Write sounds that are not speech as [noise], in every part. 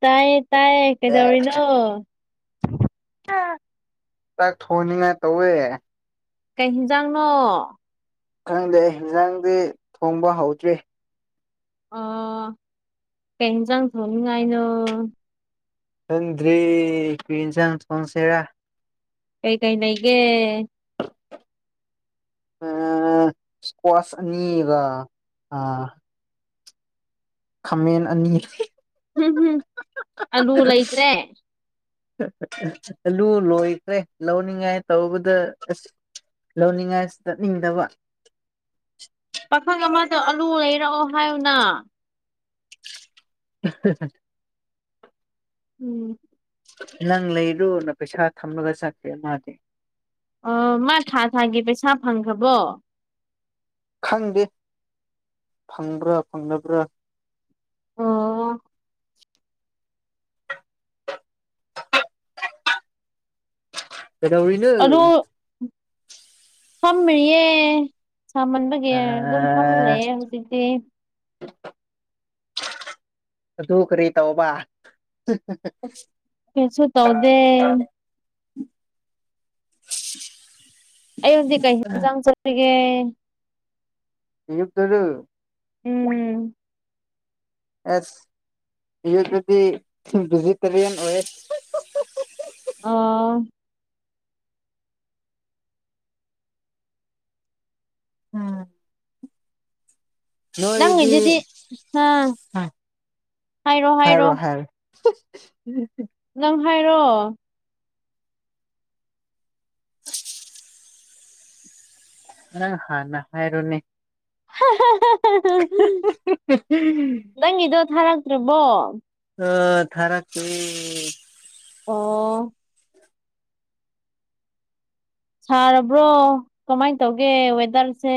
ꯇꯥꯏꯌꯦ ꯇꯥꯏꯌꯦ ꯀꯩꯗꯧꯔꯤꯅꯣ ꯆꯥꯛ ꯊꯣꯡꯅꯤꯡꯉꯥꯏ ꯇꯧꯋꯦ ꯀꯩ ꯍꯤꯟꯖꯥꯡꯅꯣ ꯈꯪꯗꯦ ꯍꯤꯟꯖꯥꯡꯗꯤ ꯊꯣꯡꯕ ꯍꯧꯗ꯭ꯔꯤ ꯑ ꯀꯩ ꯍꯤꯟꯖꯥꯡ ꯊꯣꯡꯅꯤꯡꯉꯥꯏꯅꯣ ꯈꯪꯗ꯭ꯔꯦ ꯀꯔꯤ ꯍꯤꯟꯖꯥꯡ ꯊꯣꯡꯁꯤꯔꯥ ꯀꯩ-ꯀꯩ ꯂꯩꯒꯦ ꯑ ꯁꯀ꯭ꯋꯥꯁ ꯑꯅꯤꯒ ꯑ ꯈꯥꯃꯦꯟ ꯑꯅꯤꯂꯩ꯫ ꯍꯝ-ꯍꯝ ꯑꯂꯨ ꯂꯩꯇ꯭ꯔꯦ ꯑꯂꯨ ꯂꯣꯏꯈ꯭ꯔꯦ ꯂꯧꯅꯤꯡꯉꯥꯏ ꯇꯧꯕꯗ ꯑꯁ ꯂꯧꯅꯤꯡꯉꯥꯏ ꯆꯠꯅꯤꯡꯗꯕ ꯄꯥꯈꯪ ꯑꯃꯗ ꯑꯂꯨ ꯂꯩꯔꯛꯑꯣ ꯍꯥꯏꯌꯨꯅ꯫ ꯑꯍꯍ ꯎꯝ ꯅꯪ ꯂꯩꯔꯨꯅ ꯄꯩꯁꯥ ꯊꯝꯂꯒ ꯆꯠꯈ꯭ꯔꯦ ꯃꯥꯗꯤ꯫ ꯑ ꯃꯥ ꯊꯥ-ꯊꯥꯒꯤ ꯄꯩꯁꯥ ꯐꯪꯈ꯭ꯔꯕꯣ? ꯈꯪꯗꯦ ꯐꯪꯕ꯭ꯔꯥ ꯐꯪꯗꯕ꯭ꯔꯥ ꯑꯣꯋꯣ ꯀꯩꯗꯧꯔꯤꯅꯣ ꯐꯝꯃꯤꯌꯦ ꯁꯥꯃꯟꯕꯒꯤ ꯑꯗꯨꯝ ꯐꯝꯂꯒ ꯂꯩꯌꯦ ꯍꯨꯖꯤꯛꯇꯤ ꯑꯗꯨ ꯀꯔꯤ ꯇꯧꯕ ꯀꯩꯁꯨ ꯇꯧꯗꯦ [unintelligible] ꯑꯩ ꯍꯧꯖꯤꯛ ꯀꯩ ꯍꯤꯟꯖꯥꯡ ꯆꯥꯁꯤꯒꯦ [unintelligible] ꯎꯝ ꯑꯦꯁ ꯌꯨꯗꯨꯗꯤ ꯚꯦꯖꯤꯇꯦꯔꯤꯌꯥꯟ ꯑꯣꯏꯌꯦ ꯑꯥ ꯎꯝ ꯅꯣꯏꯗꯤ ꯍꯥꯏꯔꯣ-ꯍꯥꯏꯔꯣ ꯎꯝ ꯍꯥꯏꯔꯣ ꯅꯪ ꯍꯥꯥꯟꯅ ꯍꯥꯏꯔꯣꯅꯦ ꯍꯥ-ꯍꯥ-ꯍꯥ ꯅꯪꯒꯤꯗꯣ ꯊꯥꯔꯛꯇ꯭ꯔꯤꯕꯣ ꯊꯥꯔꯛꯇ꯭ꯔꯤ ꯁꯥꯔꯕ꯭ꯔꯣ ꯀꯃꯥꯏꯟ ꯇꯧꯒꯦ ꯋꯦꯗꯔꯁꯦ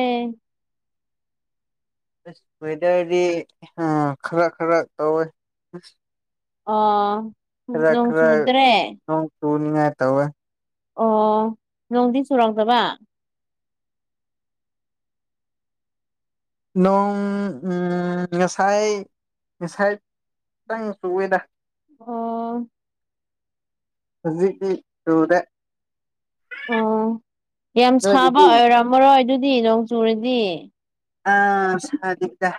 ꯑꯁ ꯋꯦꯗꯔꯗꯤ ꯑꯝ ꯈꯔ-ꯈꯔ ꯇꯧꯋꯦ ꯑꯁ ꯑꯥ ꯅꯣꯡ ꯆꯨꯗꯔꯦ ꯆꯨꯅꯤꯉꯥꯏ ꯇꯧꯋꯦ ꯑꯣ ꯅꯣꯡꯗꯤ ꯆꯨꯔꯝꯗꯕ ꯅꯣꯡ ꯎꯝ ꯉꯁꯥꯏ-ꯉꯁꯥꯏ ꯇꯪ ꯁꯨꯋꯦꯗ ꯑꯣ ꯍꯧꯖꯤꯛꯀꯤ ꯇꯨꯗꯦ ꯑꯣ ꯌꯥꯝ ꯁꯥꯕ ꯑꯣꯏꯔꯝꯃꯔꯣꯏ ꯑꯗꯨꯗꯤ ꯅꯣꯡ ꯆꯨꯔꯗꯤ ꯑꯥ ꯁꯥꯗꯦꯗꯥ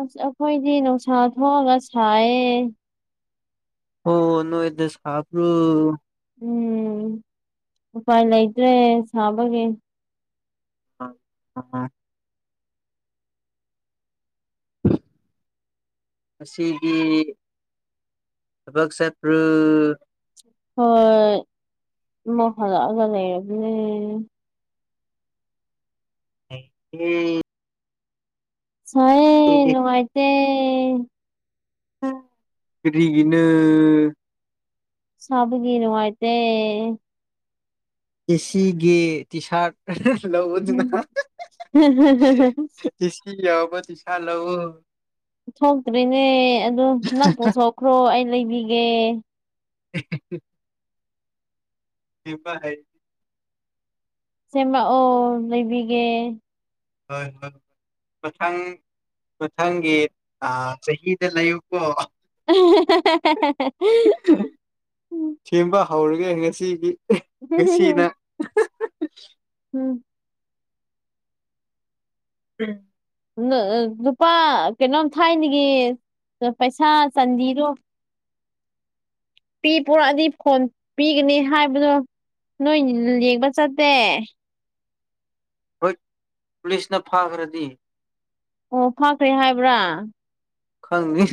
ꯑ ꯑꯩꯈꯣꯏꯗꯤ ꯅꯨꯡꯁꯥ ꯊꯣꯛꯑꯒ ꯁꯥꯏꯌꯦ ꯑꯣ ꯅꯣꯏꯗꯥ ꯁꯥꯕ꯭ꯔꯣ ꯎꯝ ꯎꯄꯥꯏ ꯂꯩꯇ꯭ꯔꯦ ꯁꯥꯕꯒꯤ ꯑ [inaudible] ꯉꯁꯤꯗꯤ ꯊꯕꯛ ꯆꯄ꯭ꯔꯣ ꯍꯣꯏ [unintelligible] ꯑꯩ ꯁꯥꯌꯦ ꯅꯨꯡꯉꯥꯏꯇꯦ ꯀꯔꯤꯒꯤꯅꯣ ꯁꯥꯕꯒꯤ ꯅꯨꯡꯉꯥꯏꯇꯦ ꯑꯦꯁꯤ ꯒꯤ ꯇꯤꯁꯥꯔꯠ ꯂꯧꯎꯗꯥꯅ ꯑꯦꯁꯤ ꯌꯥꯎꯕ ꯇꯤꯁꯥꯠ ꯂꯧꯎ ꯊꯣꯛꯇ꯭ꯔꯤꯅꯦ ꯑꯗꯨ ꯅꯪ ꯄꯨꯊꯣꯛꯈ꯭ꯔꯣ ꯑꯩ ꯂꯩꯕꯤꯒꯦ [unintelligible] [unintelligible] ꯁꯦꯝꯃꯛꯑꯣ ꯂꯩꯕꯤꯒꯦ ꯍꯣꯏ ꯍꯣꯏ ꯃꯊꯪ ꯃꯊꯪꯒꯤ ꯆꯍꯤꯗ ꯂꯩꯌꯨꯀꯣ ꯎꯝ ꯍꯧꯔꯒꯦ ꯉꯁꯤꯗꯤ ꯉꯁꯤꯅ ꯎꯝ ꯎꯝ ꯂꯨꯄꯥ ꯀꯩꯅꯣꯝ ꯊꯥꯏꯅꯤꯒꯤ ꯄꯩꯁꯥ ꯆꯥꯟꯕꯤꯔꯣ ꯄꯤ ꯄꯨꯔꯛꯑꯗꯤ ꯐꯣꯟ ꯄꯤꯒꯅꯤ ꯍꯥꯏꯕꯗꯣ ꯅꯣꯏ ꯌꯦꯡꯕ ꯆꯠꯇꯦ ꯍꯣꯏ ꯄꯨꯂꯤꯁꯅ ꯐꯥꯈ꯭ꯔꯗꯤ ꯑꯣ ꯐꯥꯈ꯭ꯔꯦ ꯍꯥꯏꯕ꯭ꯔꯥ ꯈꯪꯉꯦ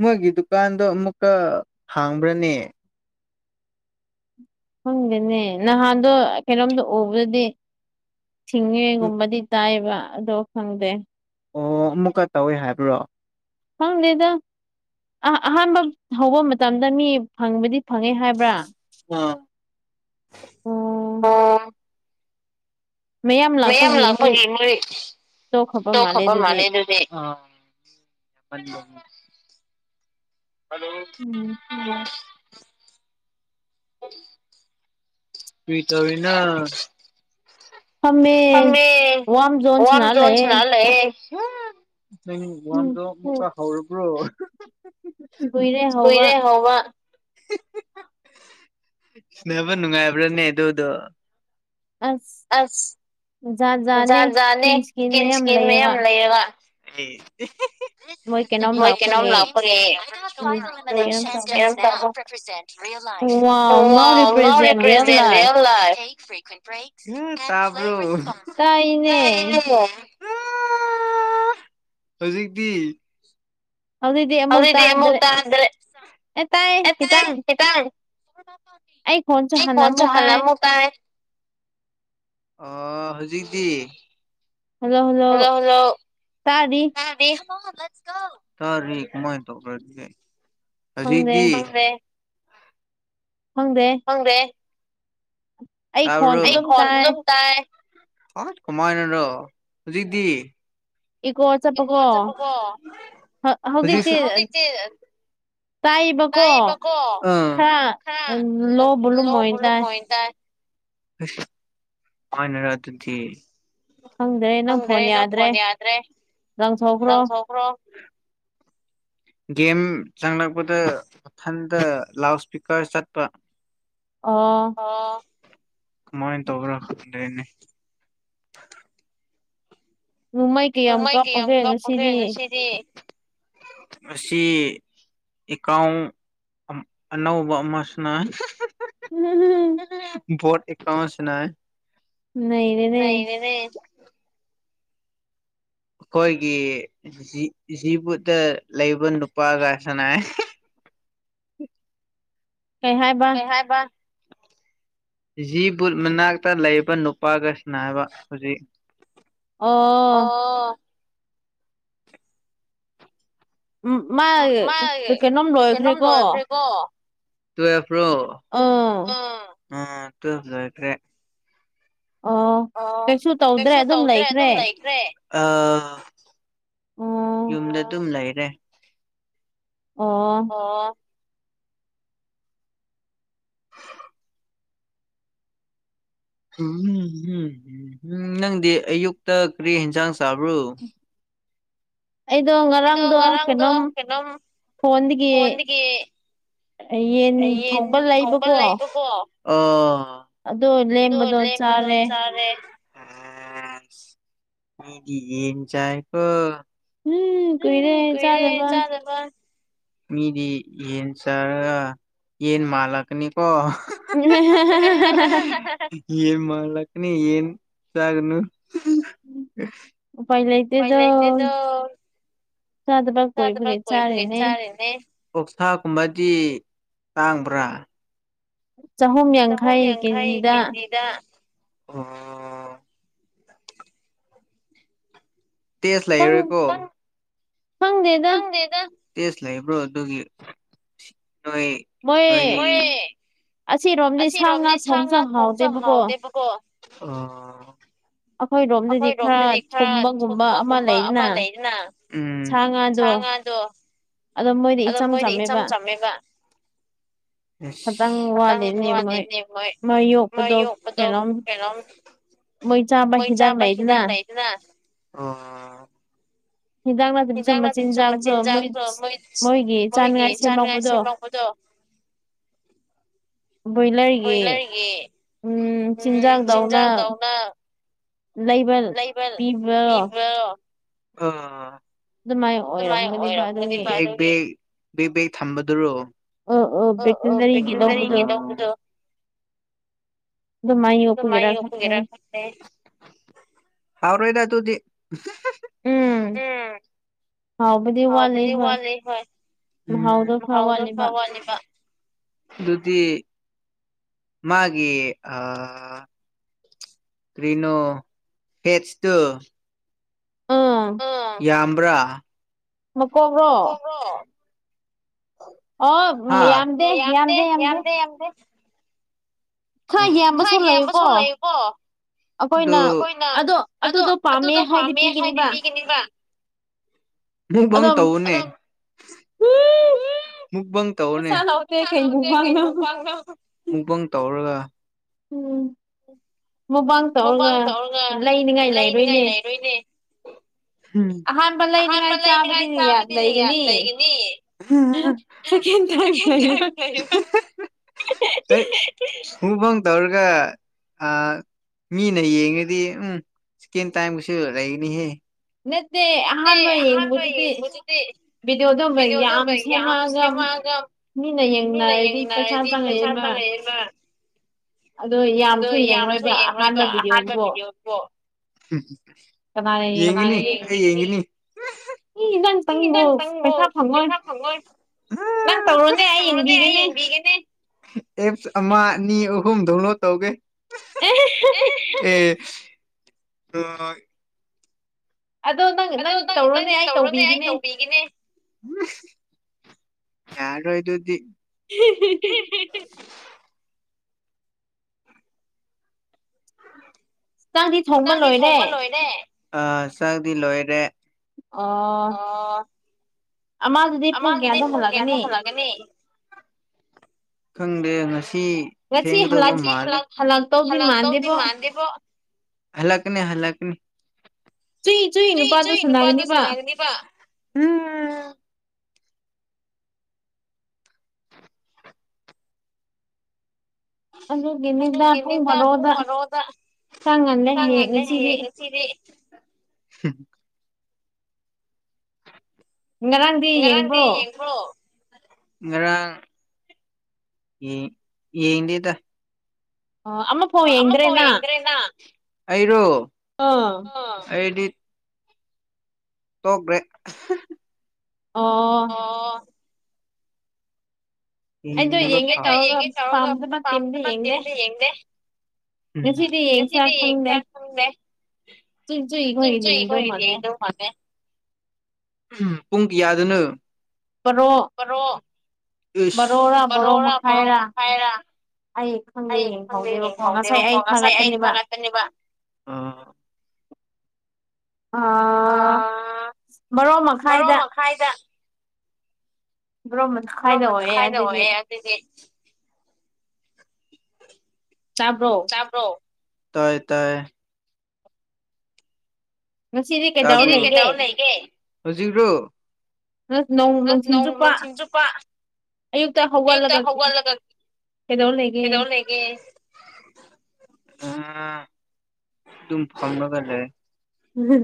ꯃꯣꯏꯒꯤ ꯗꯨꯀꯥꯟꯗꯣ ꯑꯃꯨꯛꯀ ꯍꯥꯡꯕ꯭ꯔꯅꯦ ꯈꯪꯗꯦꯅꯦ ꯅꯍꯥꯟꯗꯣ ꯀꯩꯅꯣꯝꯗ ꯎꯕꯗꯗꯤ ꯁꯤꯡꯉꯦꯒꯨꯝꯕꯗꯤ ꯇꯥꯏꯕ ꯑꯗꯣ ꯈꯪꯗꯦ ꯑꯣ ꯑꯃꯨꯛꯀ ꯇꯧꯋꯦ ꯍꯥꯏꯕ꯭ꯔꯣ ꯈꯪꯗꯦꯗꯥ ꯑ ꯑꯍꯥꯟꯕ ꯍꯧꯕ ꯃꯇꯝꯗ ꯃꯤ ꯐꯪꯕꯗꯤ ꯐꯪꯉꯦ ꯍꯥꯏꯕ꯭ꯔꯥ ꯑꯝ ꯑꯣ ꯃꯌꯥꯝ ꯂꯥꯛꯄꯒꯤ ꯃꯣꯏ ꯇꯣꯛꯈꯔ꯭ꯕꯥ ꯃꯥꯜꯂꯦ ꯑꯗꯨꯗꯤ [unintelligible] ꯍꯂꯣ [unintelligible] ꯀꯔꯤ ꯇꯧꯔꯤꯅꯣ ꯐꯝꯃꯦ ꯋꯥꯝ ꯖꯣꯟ ꯁꯅꯥ ꯂꯩꯌꯦ ꯅꯪ ꯋꯥꯟꯗ ꯋ꯭ꯥꯝ ꯖꯣꯟ ꯑꯃꯨꯛꯀꯥ ꯍꯧꯔꯕ꯭ꯔꯣ ꯀꯨꯏꯔꯦ ꯍꯧꯕ ꯁꯥꯅꯕ ꯅꯨꯡꯉꯥꯏꯕ꯭ꯔꯥꯅꯦ ꯑꯗꯨꯗꯣ ꯑ ꯑꯁ ꯖꯥꯠ ꯖꯥꯠꯅꯦ ꯏꯁꯀꯤꯟ ꯏꯁꯀꯤꯟ ꯃꯌꯥꯝ ꯂꯩꯔꯒ ꯑꯩ ꯃꯣꯏ ꯀꯩꯅꯣꯝ ꯂꯥꯛꯄꯣꯒꯦ ꯀꯩꯅꯣꯝꯥꯛ ꯂꯥꯏ ꯅꯔꯤꯄ꯭ꯔꯦꯖꯦꯟ ꯔꯔꯤꯜ ꯂꯥꯏꯐ [inaudible] [inaudible] ꯇꯥꯏꯅꯦ ꯍꯧꯖꯤꯛꯇꯤ ꯍꯗ ꯏꯗ ꯃꯨꯛꯇꯗ꯭ꯔꯦ ꯇ ꯑꯩ ꯀꯣꯟ ꯆ ꯍꯅ ꯃꯇꯥꯦ ꯑ ꯍꯧꯖꯤꯛꯇꯤ ꯍꯜꯂꯣ ꯍꯜꯂꯣ ꯇꯔꯤ ꯀꯃꯥꯏꯅ ꯇꯧꯈ꯭ꯔꯒꯦ ꯍꯧꯖꯤꯛꯗꯤ ꯍꯪꯗꯦ ꯑꯩ ꯈꯟꯖꯝ ꯇꯥꯏ ꯑ ꯀꯃꯥꯏꯅ꯭ꯔꯣ ꯍꯧꯖꯤꯗꯤ ꯀꯣ ꯆꯠꯄꯀꯣ ꯍꯧ ꯇꯥꯏꯕꯀꯣ ꯈꯔ ꯂꯧꯕ ꯂꯨꯝꯃꯣꯏ ꯇꯥꯏ ꯑꯅꯔ ꯑꯗꯨꯗꯤ ꯈꯪꯗ꯭ꯔꯦ ꯅꯪ ꯐꯣꯟ ꯌꯥꯗ꯭ꯔꯦ ꯂꯪꯊꯣꯛꯈ꯭ꯔꯣ ꯒꯦꯝ ꯆꯪꯂꯛꯄꯗ ꯃꯊꯟꯇ ꯂꯥꯎꯠ ꯏꯁꯄꯤꯀꯔ ꯆꯠꯄ ꯑ ꯃꯥꯏ ꯇꯕꯔꯗꯅꯦ ꯅꯣꯡꯃꯥꯏ ꯀꯌꯥꯝ ꯀꯥꯞꯄꯒ꯭ꯔꯦ ꯉꯁꯤꯗꯤ ꯉꯁꯤ ꯑꯦꯀ ꯑꯅꯧꯕꯧꯕ ꯑꯃꯁꯅ ꯎꯝ ꯕꯣꯠ ꯑꯦꯀꯥꯎꯟ ꯁꯅ ꯑꯩꯈꯣꯏꯒꯤ ꯖꯤꯕꯨꯨꯠꯇ ꯂꯩꯕ ꯅꯨꯄꯥꯒ ꯁꯅ ꯀꯩ ꯍꯥꯏꯕ ꯖꯤꯕꯨ ꯃꯅꯥꯛꯇ ꯂꯩꯕ ꯅꯨꯄꯥꯒ ꯁꯅꯥꯕ ꯍꯧꯖꯤꯛ ꯑꯣ [inaudible] ꯃꯥ ꯀꯩꯅꯣꯝ ꯂꯣꯏꯈ꯭ꯔꯦꯀꯣ ꯇ꯭ꯋꯦꯜꯐ ꯂꯣ ꯑꯥ ꯇ꯭ꯋꯦꯜꯐ ꯂꯣꯏꯈ꯭ꯔꯦ ꯑꯣ ꯀꯩꯁꯨ ꯇꯧꯗ꯭ꯔꯦ ꯑꯗꯨꯝ ꯂꯩꯈ꯭ꯔꯦ ꯑ ꯌꯨꯝꯗ ꯑꯗꯨꯝ ꯂꯩꯔꯦ ꯑꯣ ꯝ ꯎꯝ ꯅꯪꯗꯤ ꯑꯌꯨꯛꯇ ꯀꯔꯤ ꯌꯦꯟꯁꯥꯡ ꯆꯥꯕ꯭ꯔꯣ ꯑꯩꯗꯣ ꯉꯔꯥꯡꯗꯣ ꯀꯩꯅꯣꯝ ꯐꯣꯟꯣꯟꯗꯒꯤ ꯌꯦꯟ ꯊꯣꯡꯀ ꯂꯩꯕꯀꯣ ꯑꯗꯨꯣ ꯂꯦꯝꯕꯗ ꯆꯔꯦ ꯑꯗꯤ ꯌꯦꯟ ꯆꯥꯀꯣ ꯎꯝ ꯀꯏꯔꯦ ꯆꯥꯗꯕ ꯃꯤꯗꯤ ꯌꯦꯟ ꯁꯔ ꯌꯦꯟ ꯃꯥꯂꯛꯅꯤꯀꯣ ꯌꯦꯟ ꯃꯥꯂꯀꯅꯤ ꯌꯦꯟ ꯆꯒꯅ ꯎ ꯄꯥꯏ ꯂꯩ ꯄꯂ ꯏꯗꯤꯗ ꯆꯗꯄꯥꯣꯏ ꯐꯒꯩ ꯆꯥꯔꯦꯅꯦ ꯀꯣꯛꯊꯥꯒꯨꯝꯕꯗꯤ ꯇꯥꯡꯕ꯭ꯔꯥ ꯆꯍꯨꯝ ꯌꯥꯡꯈꯩ ꯀꯦꯖꯤꯗ ꯑꯥ ꯇꯦꯁ ꯂ ꯍꯦꯔꯦꯀꯣ ꯪꯗꯦꯗ ꯇꯦꯁ ꯂꯩꯕ꯭ꯔꯣ ꯑꯗꯨꯒꯤ ꯅꯣꯏ ꯅꯣꯏ ꯑꯁꯤꯔꯣꯝꯗꯤ ꯁꯥ ꯉꯥ ꯊꯣꯡꯁꯨ ꯍꯥꯎꯗꯦꯕꯀꯣ ꯑꯩꯈꯣꯏꯔꯣꯝꯗꯗꯤ ꯈꯔ ꯊꯨꯝꯕꯒꯨꯝꯕ ꯑꯃ ꯂꯩꯗꯅ ꯁꯥ ꯉꯥ ꯑꯗꯣ ꯑꯗꯣ ꯃꯣꯏꯗꯤ ꯏꯆꯝ ꯆꯝꯃꯦꯕ ꯈꯈꯤꯇꯪ ꯋꯥꯅꯤꯅꯦ ꯃꯣꯏ ꯃꯣꯏ ꯌꯣꯛꯄꯗꯣ ꯀꯩꯅꯣꯝ ꯃꯣꯏ ꯆ ꯑꯝꯕ ꯍꯗꯥꯒꯅꯥꯇꯅꯥ ꯍꯗꯥꯛ ꯅꯥꯊꯁꯨ ꯃꯆꯤꯟꯖꯥꯛꯇꯣ ꯃꯣꯏ ꯃꯣꯏꯒꯤ ꯆꯥꯅꯤꯉꯥꯏ ꯁꯦꯝꯃꯛꯄꯗꯣ [unintelligible] ꯕꯣꯏꯂꯔꯒꯤ ꯎꯝ ꯆꯤꯟꯖꯥꯛꯗꯧꯅ ꯂꯩꯕ ꯄꯤꯕ ꯕ ꯕꯦꯛ ꯕꯦꯛ ꯊꯝꯕꯗꯨꯔꯣ ꯑ ꯑꯣꯔꯤ ꯌꯦ ꯇꯗ ꯁꯃꯥꯏ ꯌꯨꯄꯒꯦꯔ ꯀꯁꯦ ꯐꯔꯣꯣꯏꯗ ꯇꯨꯗꯤ ꯍꯥꯎꯕꯗꯤ ꯋꯥꯠꯂꯤ ꯍꯣꯏ ꯃꯍꯥꯎꯗꯣ ꯈ ꯋꯥꯠꯂꯤꯕ ꯑꯗꯨꯗꯤ ꯃꯥꯒꯤ ꯑ ꯀ꯭ꯔꯤꯅꯣ ꯍꯦꯆ ꯇ ꯌꯥꯝꯕ꯭ꯔꯥ꯭ꯔ ꯑꯣ ꯌꯥꯝꯗꯦ ꯌꯥꯝꯗꯦ ꯌꯥꯝꯗꯦ ꯍꯥꯏ ꯌꯦꯕꯁꯨ ꯂꯩꯕꯣ ꯑꯩꯈꯣꯏꯅ ꯑꯗꯣ ꯑꯗꯨꯗꯣ ꯄꯥꯝꯃꯦ ꯍꯥꯏꯗꯤ ꯄꯤꯒꯅꯤꯕ ꯐꯪ ꯇꯧ ꯅ ꯃꯨꯛꯕꯪ ꯇꯧꯔꯅꯦ ꯃꯨꯛꯕꯪ ꯇꯧꯔꯒ ꯎꯝ ꯃꯕꯥꯥꯡ ꯇꯧꯔꯒ ꯂꯩꯅꯤꯉꯥꯏ ꯂꯩꯔꯣꯏꯅꯦ ꯑꯍꯥꯟꯕ ꯂꯩꯔꯤꯉꯥꯏ ꯆꯥꯕꯗꯤꯗꯤ ꯂꯩꯒꯅꯤ ꯀ ꯊ ꯀ ꯍꯨꯡ ꯐꯪ ꯇꯧꯔꯒ ꯑ ꯃꯤ ꯅ ꯌꯦꯡꯉꯦꯗꯤ ꯎꯝ ꯏꯁꯀꯤ ꯇꯥꯏꯝ ꯀꯁꯨꯔꯅꯤ ꯍ ꯠꯇꯦ ꯑꯍꯥꯡꯁꯨꯗꯤ ꯄꯗꯤ ꯑꯣꯗꯣꯕ ꯌꯥꯝꯝꯁꯦꯃꯒ ꯃꯤꯅꯦ ꯌꯦꯟꯅꯗꯤ ꯏ ꯆꯥꯇꯉ ꯌꯦꯕ ꯑꯗꯣ ꯌꯥꯝꯁꯨ ꯌꯦꯡꯂꯡꯉꯣꯏꯕ ꯑꯍꯥꯟꯕ ꯚꯤꯗꯤꯑꯣꯗꯣ ꯌꯦꯉꯅꯤ ꯑꯩ ꯌꯦꯡꯉꯅꯤ ꯏ ꯏꯣꯟ ꯆꯪꯣ ꯄꯩꯁꯥ ꯐꯪꯉꯣꯟ ꯅꯪ ꯇꯧꯔꯣꯅꯦ ꯑꯩ ꯌꯦꯡꯕꯤꯒꯦꯅꯦ ꯑꯦꯞꯁ ꯑꯃ ꯑꯅꯤ ꯑꯍꯨꯝ ꯗꯥꯎꯟꯂꯣꯗ ꯇꯧꯒꯦ ꯑꯦ ꯑ ꯑꯗꯣ ꯅꯪ ꯅꯪ ꯇꯧꯔꯣꯅꯦ ꯑꯩ ꯇꯧꯕꯤꯒꯤꯅꯦ ꯌꯥꯔꯗꯨꯗꯤ [inaudible] ꯂꯣꯏꯔꯦ ꯑ ꯆꯪꯗꯤ ꯂꯣꯏꯔꯦ ꯑꯣ ꯑꯃꯗꯨꯗꯤ ꯄꯨꯡ ꯀꯌꯥ ꯇꯧ ꯍꯜꯂꯛꯒꯅꯤ ꯈꯪꯗꯦ ꯉꯁꯤ ꯊꯦꯡꯗꯧꯕ ꯍꯛ ꯇ ꯃꯗꯕꯣ ꯍꯂꯒꯅꯦ ꯍꯂꯒꯅꯤ ꯆꯨꯏ ꯆꯨꯏ ꯅꯨꯄꯥꯗꯣ ꯁꯅꯥꯒꯅꯤꯕ ꯑ ꯀꯅꯤꯗ ꯍꯨ ꯃꯔꯣꯗ ꯆꯉꯗꯦ ꯍꯦꯒ ꯆꯔꯤ ꯉꯔꯥꯡꯗꯤ ꯌꯦꯡꯊꯣꯔꯛꯑꯣ ꯉꯔꯥꯡ ꯌꯦ ꯌꯦꯡꯗꯤꯗ ꯑꯃꯐꯥꯎ ꯌꯦꯡꯗ꯭ꯔꯦꯅ ꯑꯩꯔꯣ ꯑꯩꯗꯤ ꯇꯒ꯭ꯔꯦ ꯑꯣ ꯣ ꯌꯦꯉꯦ ꯆꯥꯎꯒ ꯄꯝ ꯄ ꯇꯝꯗꯦ ꯌꯦꯡꯗꯦ ꯊꯝꯗꯦ ꯇꯁꯨꯏ ꯀꯣꯏꯗꯤ ꯑꯗꯧ ꯃꯥꯅꯦ ꯄꯨꯡ ꯌꯥꯗꯅ ꯄꯨꯔꯣ ꯎꯝꯣꯔꯣ ꯈꯥꯏꯔ ꯑꯩ ꯈꯪꯗꯦ ꯌꯦꯡꯍꯧꯗꯦꯕꯀꯣ ꯉꯁꯥꯏ ꯑꯩ ꯊꯔꯛꯀꯅꯦꯕ ꯑꯥ ꯑ ꯃꯔꯣ ꯃꯈꯥꯏꯗ ꯣ ꯃꯁ ꯈꯥꯏꯗ ꯑꯗꯤ ꯆꯥꯕ꯭ꯔꯣ ꯇꯥꯏ ꯇꯥꯏ ꯂꯩ ꯍꯧꯖꯤꯕ꯭ꯔꯣ ꯅꯁ ꯅ ꯅꯣꯡꯁꯤꯡ ꯆꯨꯞꯄ ꯑꯌꯨꯛꯇ ꯍꯧꯒꯠꯂꯒ ꯀꯩꯗꯧ ꯂꯩꯒꯦ ꯑ ꯑꯗꯨꯝ ꯐꯪꯅꯕꯒꯦ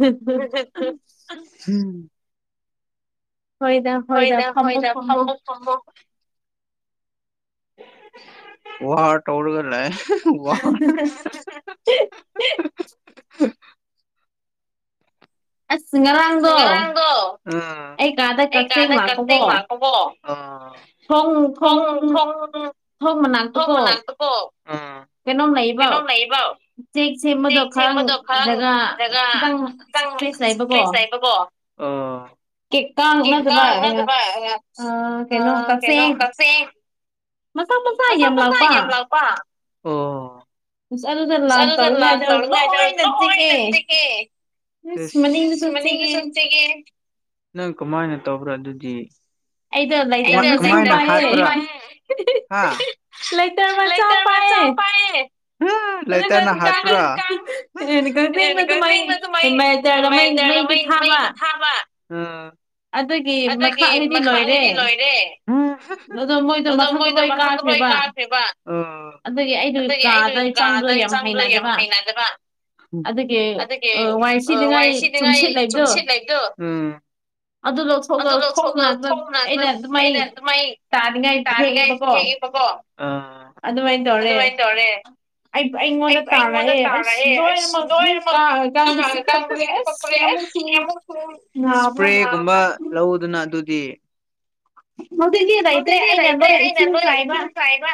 ꯎꯝ ꯍꯣꯏꯗ ꯍꯣꯏꯗ ꯐꯝꯕꯣ ꯐꯝꯕꯣ ꯋꯥꯍꯔ ꯇꯧꯔꯒ ꯂ ꯋꯥ ꯑꯁ ꯉꯔꯥꯡꯗꯣ ꯑꯩ ꯀꯥꯗ ꯀꯛꯆꯦꯡ ꯂꯥꯛꯄꯕꯣ ꯍꯥꯎ ꯍꯥꯎ ꯊꯣꯡ ꯃꯅꯥꯛꯇꯀꯣ ꯀꯩꯅꯣꯝ ꯂꯩꯕ ꯆꯦꯛ ꯆꯦꯛ ꯃꯗꯣ ꯈꯔ ꯒ ꯈꯤꯇꯪ ꯐ꯭ꯔꯦꯁ ꯆꯥꯏꯕꯀꯣ ꯑꯣ ꯀꯀꯥꯠꯇ ꯑ ꯀꯩꯅꯣ ꯀꯁꯦ [inaudible] ꯃꯁꯥ ꯃꯁꯥ ꯌꯥꯝ ꯂꯥꯎꯄꯥ ꯎ ꯆꯂ ꯆ ꯂꯥꯁ ꯇꯧ ꯉꯖꯂ ꯑꯣꯏ ꯅꯠꯇ ꯀꯦ ꯦ ꯅꯪ ꯀꯃꯥꯏꯅ ꯇꯧꯕ꯭ꯔꯥ ꯑꯗꯨꯗꯤ ꯃ ꯀꯃꯥꯏꯅ ꯍꯥꯄ꯭ꯔ ꯂꯩꯥꯏꯀꯔ ꯃ ꯆ ꯄꯑ ꯂꯣꯏꯇꯥꯅ ꯍꯥꯠꯇ꯭ꯔ ꯀꯛꯆꯦꯡꯅ ꯑꯗꯨ ꯃꯥꯏꯔꯩ ꯃꯩꯗ ꯊꯥꯕ ꯑꯗꯨ ꯑꯗꯨꯒꯤ ꯃꯈꯥꯅꯤꯗꯤ ꯂꯣꯏꯔꯦ ꯑꯗꯣ ꯃꯣꯏꯗꯣ ꯃꯊꯪꯛꯇ ꯂꯣꯏ ꯀꯥꯈ꯭ꯔꯦꯕ ꯑꯗꯨꯒꯤ ꯑꯩꯗꯨ ꯀꯥꯗ ꯆꯪꯕꯣ ꯌꯥꯝ ꯍꯩꯅꯗꯕ ꯑꯗꯨꯒꯤ ꯋꯥꯥꯏ ꯁꯤꯅꯤꯡꯉꯥꯏ ꯆꯨꯝꯁꯤꯠ ꯂꯩꯕꯗꯣ ꯑꯗꯨ ꯑꯗꯨ ꯂ ꯊꯣꯛꯇꯅ ꯑꯗꯨ ꯑꯩꯅ ꯑꯗꯨꯃꯥꯏ ꯇꯥꯅꯤꯡꯉꯥꯏ ꯐꯦꯡꯉꯦꯕꯀꯣ ꯑꯣ ꯑꯗꯨꯃꯥꯏ ꯇꯧꯅꯦꯦ ꯑꯩ ꯑꯩꯉꯣꯟꯗ ꯇꯥꯔꯛꯑꯦ ꯑꯩꯁ ꯂꯣꯏꯅꯃꯛ ꯏꯁꯄ꯭ꯔꯦꯒꯨꯝꯕ ꯂꯧꯗꯨꯅ ꯑꯗꯨꯗꯤ ꯍꯧꯖꯤꯛꯇꯗꯤ ꯂꯩꯇ꯭ꯔꯦ ꯑꯩꯅ ꯂꯣꯏ ꯏꯆ ꯆꯥꯏꯕ